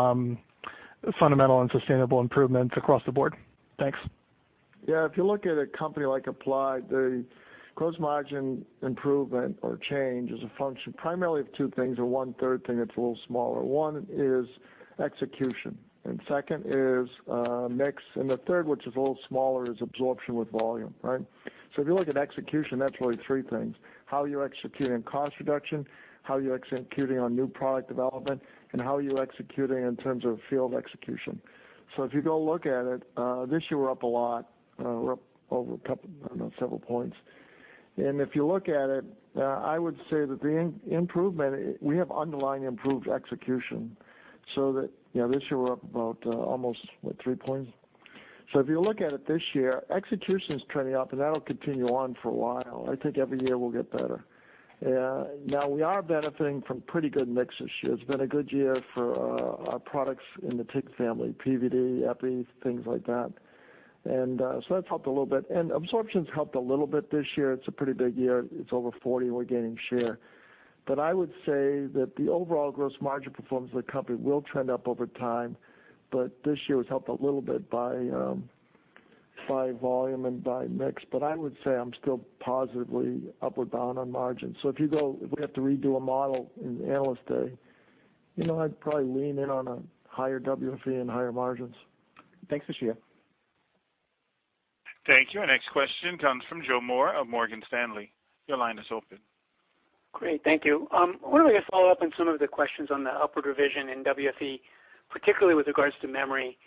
fundamental and sustainable improvements across the board? Thanks. If you look at a company like Applied, the gross margin improvement or change is a function primarily of two things, one third thing that's a little smaller. One is execution, second is mix, the third, which is a little smaller, is absorption with volume. Right? If you look at execution, that's really three things, how you're executing cost reduction, how you're executing on new product development, how you're executing in terms of field execution. If you go look at it, this year we're up a lot. We're up over, I don't know, several points. If you look at it, I would say that the improvement, we have underlying improved execution, so that this year we're up about almost what, three points? If you look at it this year, execution's trending up and that'll continue on for a while. I think every year we'll get better. Now we are benefiting from pretty good mix this year. It's been a good year for our products in the TIC family, PVD, epi, things like that. That's helped a little bit, absorption's helped a little bit this year. It's a pretty big year. It's over 40, we're gaining share. I would say that the overall gross margin performance of the company will trend up over time, this year was helped a little bit by volume and by mix. I would say I'm still positively upward bound on margins. If you go. If we have to redo a model in the Analyst Day, I'd probably lean in on a higher WFE and higher margins. Thanks, Toshiya. Thank you. Our next question comes from Joseph Moore of Morgan Stanley. Your line is open. Great. Thank you. I wanted to follow up on some of the questions on the upward revision in WFE, particularly with regards to memory.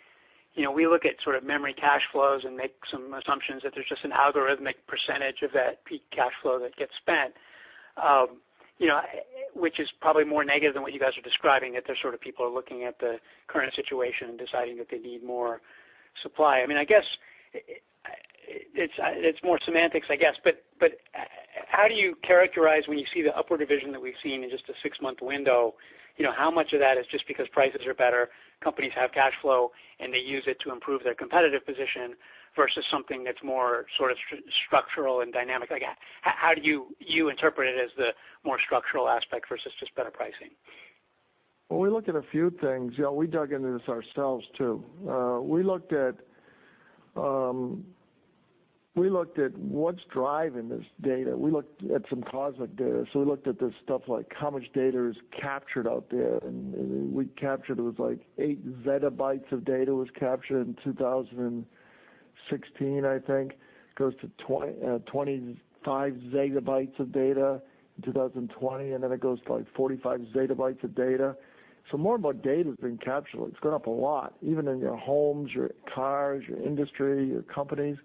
We look at sort of memory cash flows and make some assumptions that there's just an algorithmic percentage of that peak cash flow that gets spent, which is probably more negative than what you guys are describing, that there's sort of people are looking at the current situation and deciding that they need more supply. I guess, it's more semantics, I guess, but how do you characterize when you see the upward revision that we've seen in just a six-month window, how much of that is just because prices are better, companies have cash flow, and they use it to improve their competitive position versus something that's more sort of structural and dynamic? How do you interpret it as the more structural aspect versus just better pricing? We look at a few things. We dug into this ourselves, too. We looked at what's driving this data. We looked at some cosmic data. We looked at this stuff like how much data is captured out there, and we captured, it was like eight zettabytes of data was captured in 2016, I think. It goes to 25 zettabytes of data in 2020, and it goes to like 45 zettabytes of data. More of our data's being captured. It's gone up a lot, even in your homes, your cars, your industry, your companies.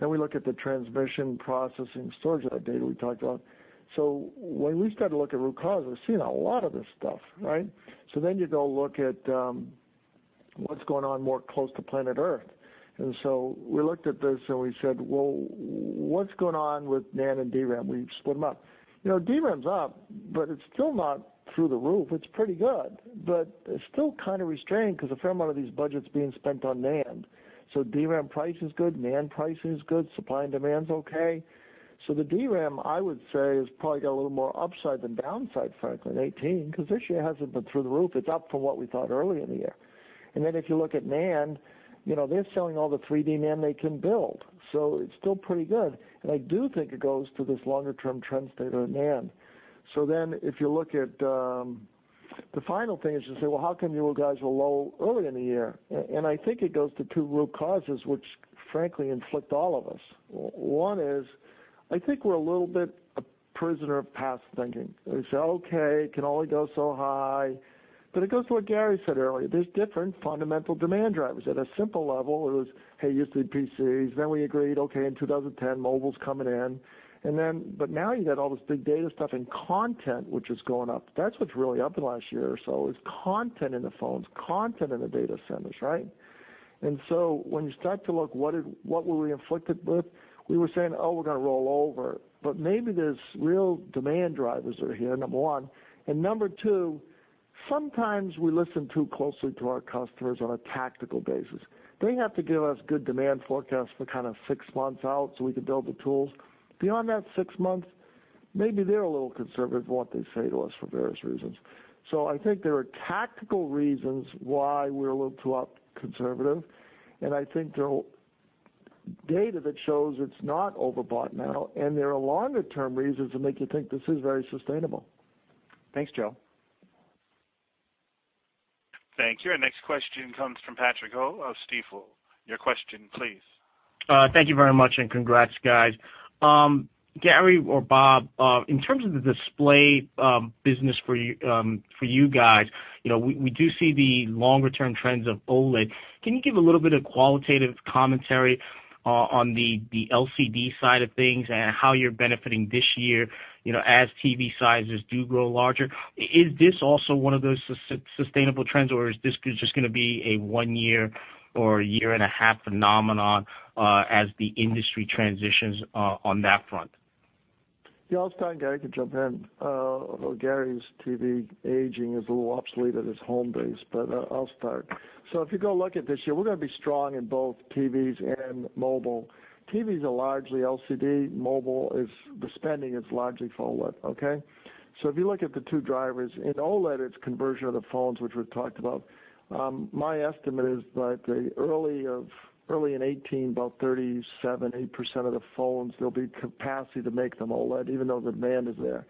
We look at the transmission, processing, storage of that data we talked about. When we start to look at root cause, we're seeing a lot of this stuff, right? You go look at what's going on more close to planet Earth. We looked at this and we said, "What's going on with NAND and DRAM?" We split them up. DRAM's up, but it's still not through the roof. It's pretty good, but it's still kind of restrained because a fair amount of these budgets are being spent on NAND. DRAM price is good, NAND price is good, supply and demand's okay. The DRAM, I would say, has probably got a little more upside than downside, frankly, in 2018, because this year it hasn't been through the roof. It's up from what we thought earlier in the year. If you look at NAND, they're selling all the 3D NAND they can build, so it's still pretty good, and I do think it goes to this longer-term trend state on NAND. If you look at the final thing is just say, "How come you guys were low earlier in the year?" I think it goes to two root causes which frankly inflict all of us. One is, I think we're a little bit a prisoner of past thinking. We say, "Okay, it can only go so high." It goes to what Gary said earlier. There's different fundamental demand drivers. At a simple level, it was, hey, you see PCs, we agreed, okay, in 2010, mobile's coming in. Now you got all this big data stuff and content which is going up. That's what's really up in the last year or so is content in the phones, content in the data centers, right? When you start to look what were we inflicted with, we were saying, "Oh, we're going to roll over." Maybe there's real demand drivers are here, number one, and number two, sometimes we listen too closely to our customers on a tactical basis. They have to give us good demand forecasts for kind of six months out so we can build the tools. Beyond that six months, maybe they're a little conservative in what they say to us for various reasons. I think there are tactical reasons why we're a little too conservative, and I think there are data that shows it's not overbought now, and there are longer-term reasons that make you think this is very sustainable. Thanks, Joe. Thank you. Our next question comes from Patrick Ho of Stifel. Your question, please. Thank you very much, congrats, guys. Gary or Bob, in terms of the display business for you guys, we do see the longer-term trends of OLED. Can you give a little bit of qualitative commentary on the LCD side of things and how you're benefiting this year as TV sizes do grow larger? Is this also one of those sustainable trends, or is this just going to be a one year or year and a half phenomenon as the industry transitions on that front? Yeah, I'll start, Gary can jump in. Although Gary's TV aging is a little obsolete at his home base, I'll start. If you go look at this year, we're going to be strong in both TVs and mobile. TVs are largely LCD. Mobile, the spending is largely OLED. Okay? If you look at the two drivers, in OLED, it's conversion of the phones, which we've talked about. My estimate is that early in 2018, about 37%-38% of the phones, there'll be capacity to make them OLED, even though the demand is there.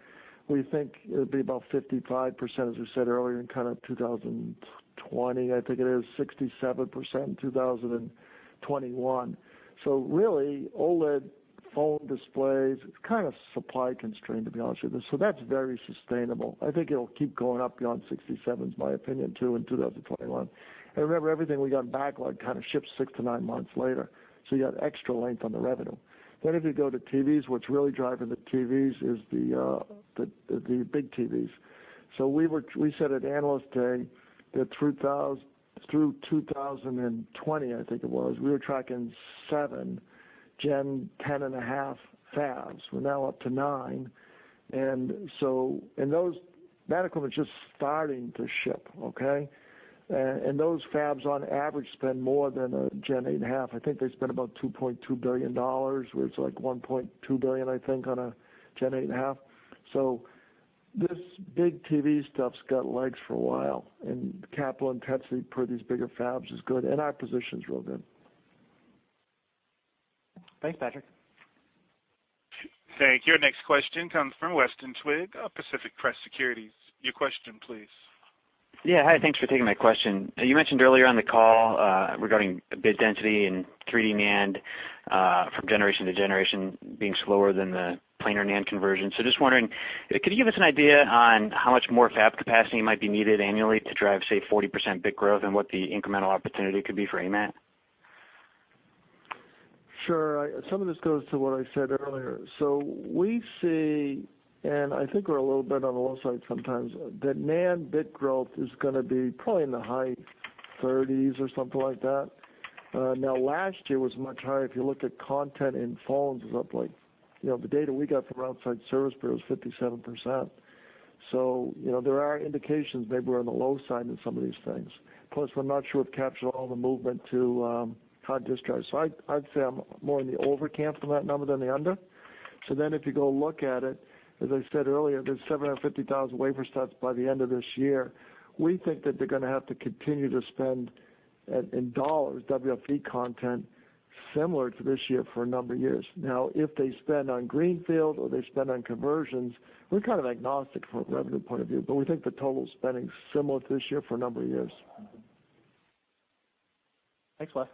We think it'll be about 55%, as we said earlier, in 2020, I think it is, 67% in 2021. Really, OLED phone displays, it's kind of supply constrained, to be honest with you. That's very sustainable. I think it'll keep going up beyond 67%, is my opinion, too, in 2021. Remember, everything we got in backlog kind of ships 6 to 9 months later, so you got extra length on the revenue. Then if you go to TVs, what's really driving the TVs is the big TVs. We said at Analyst Day that through 2020, I think it was, we were tracking seven Gen 10.5 fabs. We're now up to nine. Okay? And those fabs on average spend more than a Gen 8.5. I think they spend about $2.2 billion, where it's like $1.2 billion, I think, on a Gen 8.5. So this big TV stuff's got legs for a while, and the capital intensity per these bigger fabs is good, and our position's real good. Thanks, Patrick. Thank you. Our next question comes from Weston Twigg of Pacific Crest Securities. Your question, please. Hi, thanks for taking my question. You mentioned earlier on the call regarding bit density and 3D NAND from generation to generation being slower than the planar NAND conversion. Just wondering, could you give us an idea on how much more fab capacity might be needed annually to drive, say, 40% bit growth and what the incremental opportunity could be for AMAT? Sure. Some of this goes to what I said earlier. We see, and I think we're a little bit on the low side sometimes, that NAND bit growth is going to be probably in the high 30s or something like that. Now, last year was much higher if you look at content in phones. The data we got from outside service bureau was 57%. There are indications maybe we're on the low side in some of these things. Plus, we're not sure we've captured all the movement to. *inaudible* I'd say I'm more in the over camp for that number than the under. If you go look at it, as I said earlier, there's 750,000 wafer starts by the end of this year. We think that they're going to have to continue to spend, in dollars, WFE content similar to this year for a number of years. Now, if they spend on greenfield or they spend on conversions, we're kind of agnostic from a revenue point of view, but we think the total spending's similar to this year for a number of years. Thanks, Wes.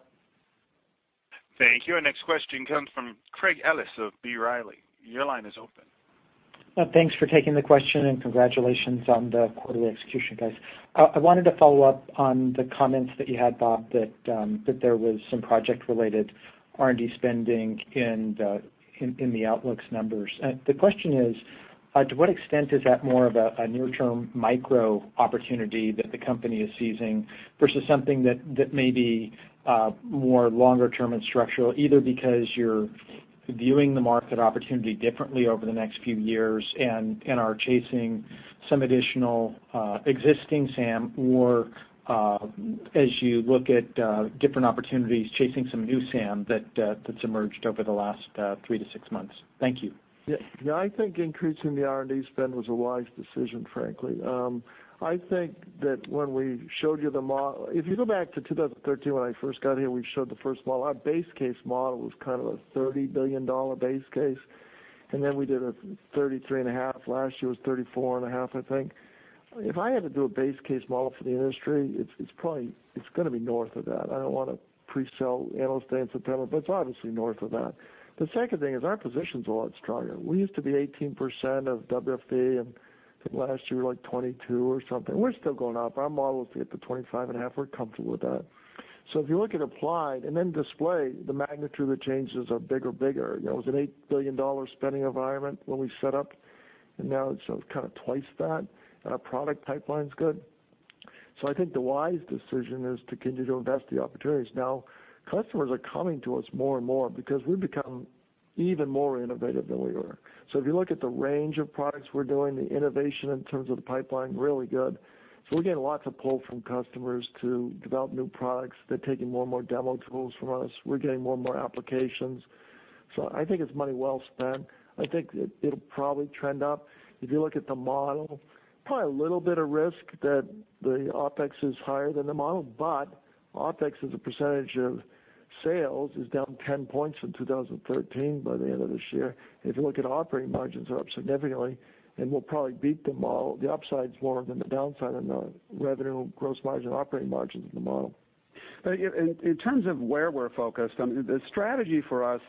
Thank you. Our next question comes from Craig Ellis of B. Riley. Your line is open. Thanks for taking the question, congratulations on the quarterly execution, guys. I wanted to follow up on the comments that you had, Bob, that there was some project-related R&D spending in the outlook numbers. The question is: To what extent is that more of a near-term micro opportunity that the company is seizing versus something that may be more longer term and structural, either because you're viewing the market opportunity differently over the next few years and are chasing some additional existing SAM, or as you look at different opportunities, chasing some new SAM that's emerged over the last three to six months? Thank you. I think increasing the R&D spend was a wise decision, frankly. If you go back to 2013 when I first got here, we showed the first model. Our base case model was kind of a $30 billion base case. We did a 33 and a half. Last year was 34 and a half, I think. If I had to do a base case model for the industry, it's going to be north of that. I don't want to pre-sell Analyst Day in September, it's obviously north of that. The second thing is our position's a lot stronger. We used to be 18% of WFE. I think last year we were like 22% or something. We're still going up. Our model is to get to 25 and a half. We're comfortable with that. If you look at Applied, display, the magnitude of the changes are bigger. It was an $8 billion spending environment when we set up. Now it's kind of twice that. Our product pipeline's good. I think the wise decision is to continue to invest the opportunities. Now, customers are coming to us more and more because we've become even more innovative than we were. If you look at the range of products we're doing, the innovation in terms of the pipeline, really good. We're getting lots of pull from customers to develop new products. They're taking more and more demo tools from us. We're getting more and more applications. I think it's money well spent. I think it'll probably trend up. If you look at the model, probably a little bit of risk that the OpEx is higher than the model. OpEx as a percentage of Sales is down 10 points in 2013 by the end of this year. If you look at operating margins are up significantly, we'll probably beat the model, the upside's more than the downside on the revenue gross margin, operating margins in the model. In terms of where we're focused on, the strategy for us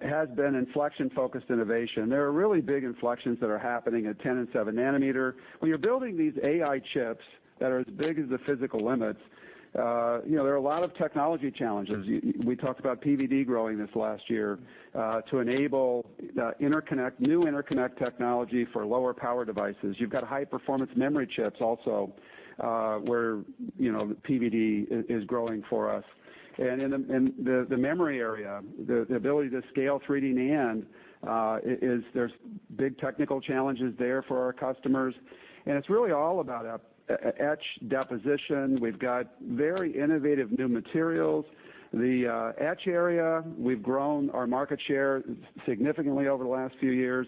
has been inflection-focused innovation. There are really big inflections that are happening at 10 and 7 nanometer. When you're building these AI chips that are as big as the physical limits, there are a lot of technology challenges. We talked about PVD growing this last year, to enable new interconnect technology for lower power devices. You've got high-performance memory chips also, where PVD is growing for us. In the memory area, the ability to scale 3D NAND, there's big technical challenges there for our customers, and it's really all about etch deposition. We've got very innovative new materials. The etch area, we've grown our market share significantly over the last few years.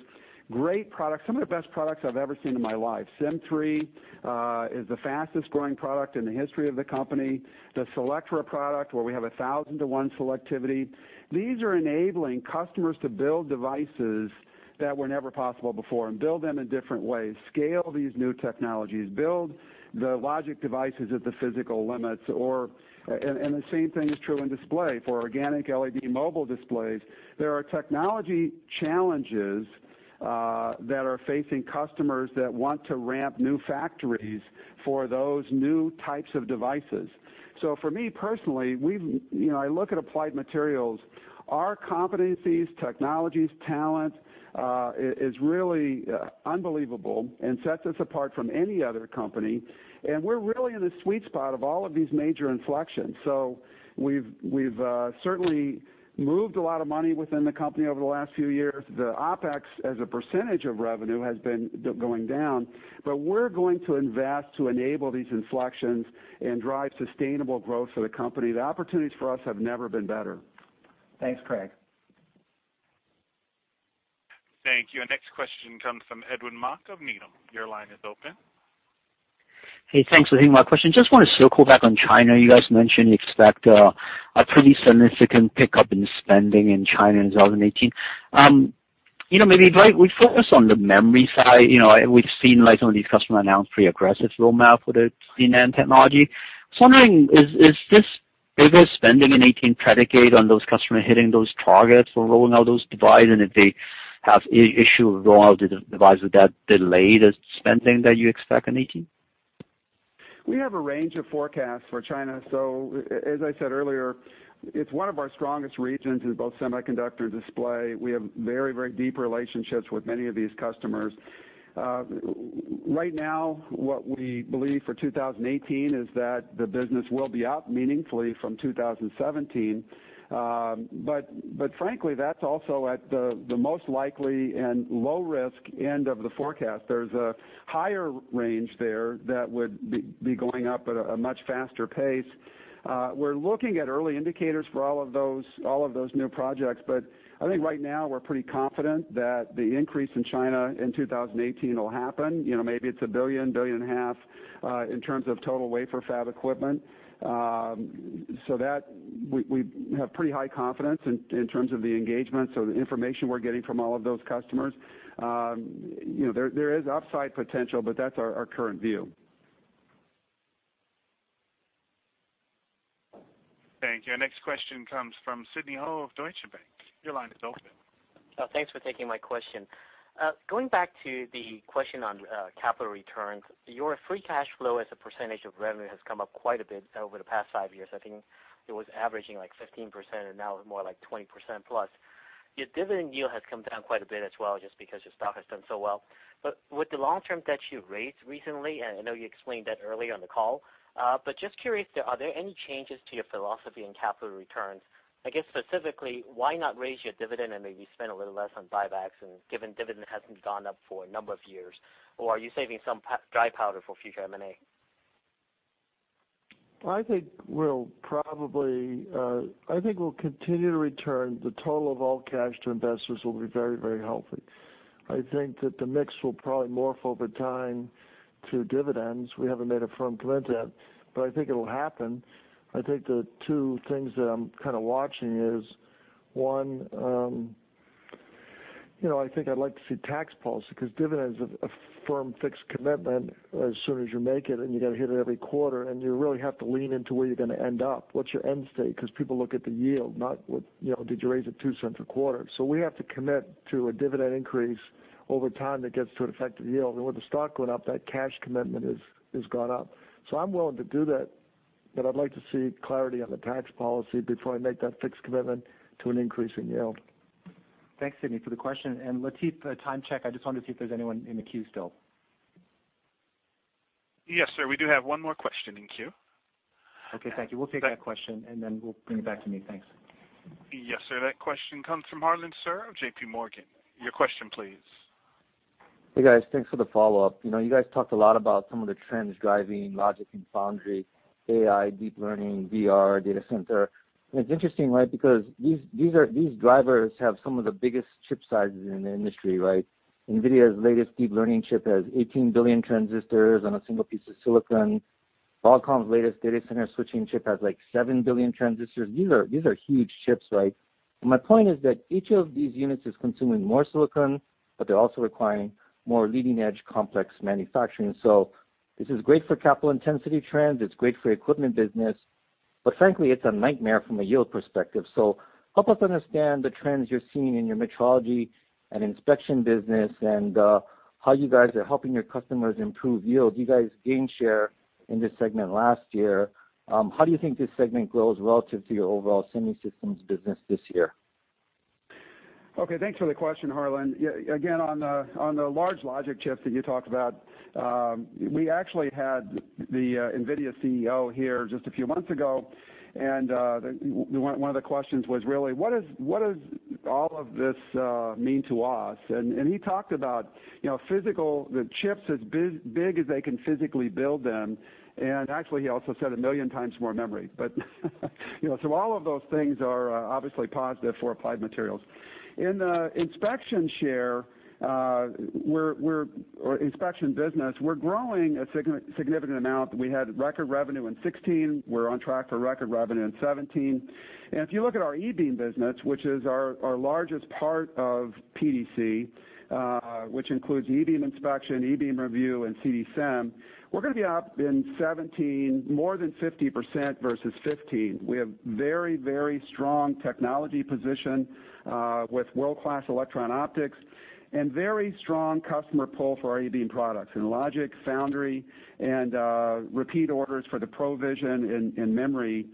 Great products. Some of the best products I've ever seen in my life. Sym3 is the fastest-growing product in the history of the company. The Selectra product, where we have 1,000 to 1 selectivity. These are enabling customers to build devices that were never possible before and build them in different ways, scale these new technologies, build the logic devices at the physical limits or. The same thing is true in display for organic LED mobile displays. There are technology challenges that are facing customers that want to ramp new factories for those new types of devices. For me personally, I look at Applied Materials, our competencies, technologies, talent, is really unbelievable and sets us apart from any other company. We're really in the sweet spot of all of these major inflections. We've certainly moved a lot of money within the company over the last few years. The OpEx as a percentage of revenue has been going down, we're going to invest to enable these inflections and drive sustainable growth for the company. The opportunities for us have never been better. Thanks, Craig. Thank you. Our next question comes from Edwin Mok of Needham. Your line is open. Hey, thanks for taking my question. Just want to circle back on China. You guys mentioned you expect a pretty significant pickup in spending in China in 2018. Maybe if I would focus on the memory side, we've seen some of these customers announce pretty aggressive roadmap for the 3D NAND technology. I was wondering, is this bigger spending in 2018 predicated on those customers hitting those targets for rolling out those devices, and if they have issue with rolling out the device, would that delay the spending that you expect in 2018? We have a range of forecasts for China. As I said earlier, it's one of our strongest regions in both semiconductor display. We have very deep relationships with many of these customers. Right now, what we believe for 2018 is that the business will be up meaningfully from 2017. Frankly, that's also at the most likely and low-risk end of the forecast. There's a higher range there that would be going up at a much faster pace. We're looking at early indicators for all of those new projects, but I think right now we're pretty confident that the increase in China in 2018 will happen. Maybe it's $1 billion, $1.5 billion, in terms of total wafer fab equipment. That, we have pretty high confidence in terms of the engagement, the information we're getting from all of those customers. There is upside potential, that's our current view. Thank you. Our next question comes from Sidney Ho of Deutsche Bank. Your line is open. Thanks for taking my question. Going back to the question on capital returns, your free cash flow as a percentage of revenue has come up quite a bit over the past five years. I think it was averaging 15%, and now it's more like 20% plus. Your dividend yield has come down quite a bit as well, just because your stock has done so well. With the long-term debt you raised recently, and I know you explained that earlier on the call, but just curious, are there any changes to your philosophy in capital returns? I guess specifically, why not raise your dividend and maybe spend a little less on buybacks given dividend hasn't gone up for a number of years? Are you saving some dry powder for future M&A? I think we'll continue to return the total of all cash to investors will be very healthy. I think that the mix will probably morph over time to dividends. We haven't made a firm commitment yet, but I think it'll happen. I think the two things that I'm kind of watching is, one, I think I'd like to see tax policy because dividends a firm fixed commitment as soon as you make it, and you got to hit it every quarter, and you really have to lean into where you're going to end up. What's your end state? Because people look at the yield, not did you raise it $0.02 a quarter. We have to commit to a dividend increase over time that gets to an effective yield. With the stock going up, that cash commitment has gone up. I'm willing to do that, but I'd like to see clarity on the tax policy before I make that fixed commitment to an increase in yield. Thanks, Sidney, for the question. Latif, a time check. I just wanted to see if there's anyone in the queue still. Yes, sir, we do have one more question in queue. Okay, thank you. We'll take that question, then we'll bring it back to me. Thanks. Yes, sir. That question comes from Harlan Sur of J.P. Morgan. Your question please. Hey, guys. Thanks for the follow-up. You guys talked a lot about some of the trends driving logic and foundry, AI, deep learning, VR, data center, and it's interesting, right? These drivers have some of the biggest chip sizes in the industry, right? NVIDIA's latest deep learning chip has 18 billion transistors on a single piece of silicon. Qualcomm's latest data center switching chip has seven billion transistors. These are huge chips. My point is that each of these units is consuming more silicon, but they're also requiring more leading-edge complex manufacturing. This is great for capital intensity trends, it's great for equipment business, but frankly, it's a nightmare from a yield perspective. Help us understand the trends you're seeing in your metrology and inspection business and how you guys are helping your customers improve yield. You guys gained share in this segment last year. How do you think this segment grows relative to your overall semi systems business this year? Okay. Thanks for the question, Harlan. On the large logic chips that you talked about, we actually had the NVIDIA CEO here just a few months ago, and one of the questions was really, what does all of this mean to us? He talked about the chips as big as they can physically build them, and actually, he also said a million times more memory. All of those things are obviously positive for Applied Materials. In the inspection share, or inspection business, we're growing a significant amount. We had record revenue in 2016. We're on track for record revenue in 2017. If you look at our E-beam business, which is our largest part of PDC, which includes E-beam inspection, E-beam review, and CD SEM, we're going to be up in 2017 more than 50% versus 2015. We have very strong technology position with world-class electron optics and very strong customer pull for our E-beam products in logic, foundry, and repeat orders for the PROVision in memory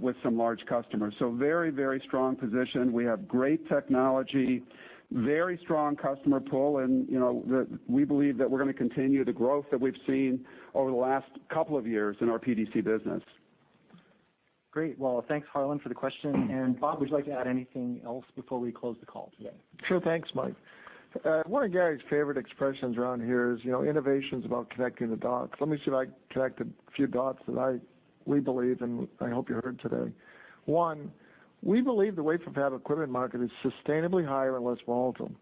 with some large customers. Very strong position. We have great technology, very strong customer pull, and we believe that we're going to continue the growth that we've seen over the last couple of years in our PDC business. Great. Well, thanks, Harlan, for the question. Bob, would you like to add anything else before we close the call today? Sure. Thanks, Mike. One of Gary's favorite expressions around here is innovation is about connecting the dots. Let me see if I can connect a few dots that we believe, and I hope you heard today. One, we believe the wafer fab equipment market is sustainably higher and less volatile.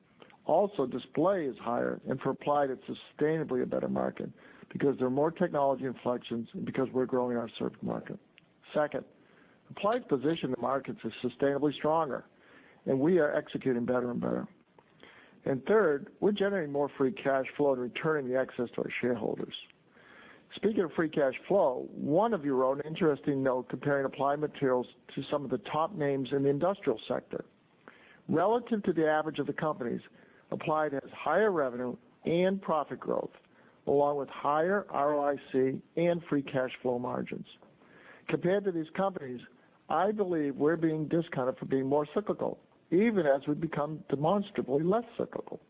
Display is higher, and for Applied, it's sustainably a better market because there are more technology inflections and because we're growing our served market. Second, Applied's position in markets is sustainably stronger, and we are executing better and better. Third, we're generating more free cash flow and returning the excess to our shareholders. Speaking of free cash flow, one of you wrote an interesting note comparing Applied Materials to some of the top names in the industrial sector. Relative to the average of the companies, Applied has higher revenue and profit growth, along with higher ROIC and free cash flow margins. Compared to these companies, I believe we're being discounted for being more cyclical, even as we become demonstrably less cyclical.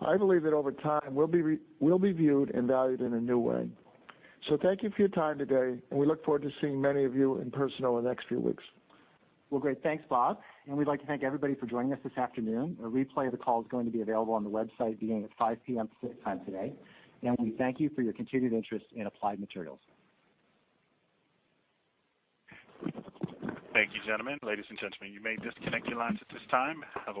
I believe that over time, we'll be viewed and valued in a new way. Thank you for your time today, and we look forward to seeing many of you in person over the next few weeks. Well, great. Thanks, Bob. We'd like to thank everybody for joining us this afternoon. A replay of the call is going to be available on the website beginning at 5:00 P.M. Pacific Time today. We thank you for your continued interest in Applied Materials. Thank you, gentlemen. Ladies and gentlemen, you may disconnect your lines at this time. Have a wonderful evening.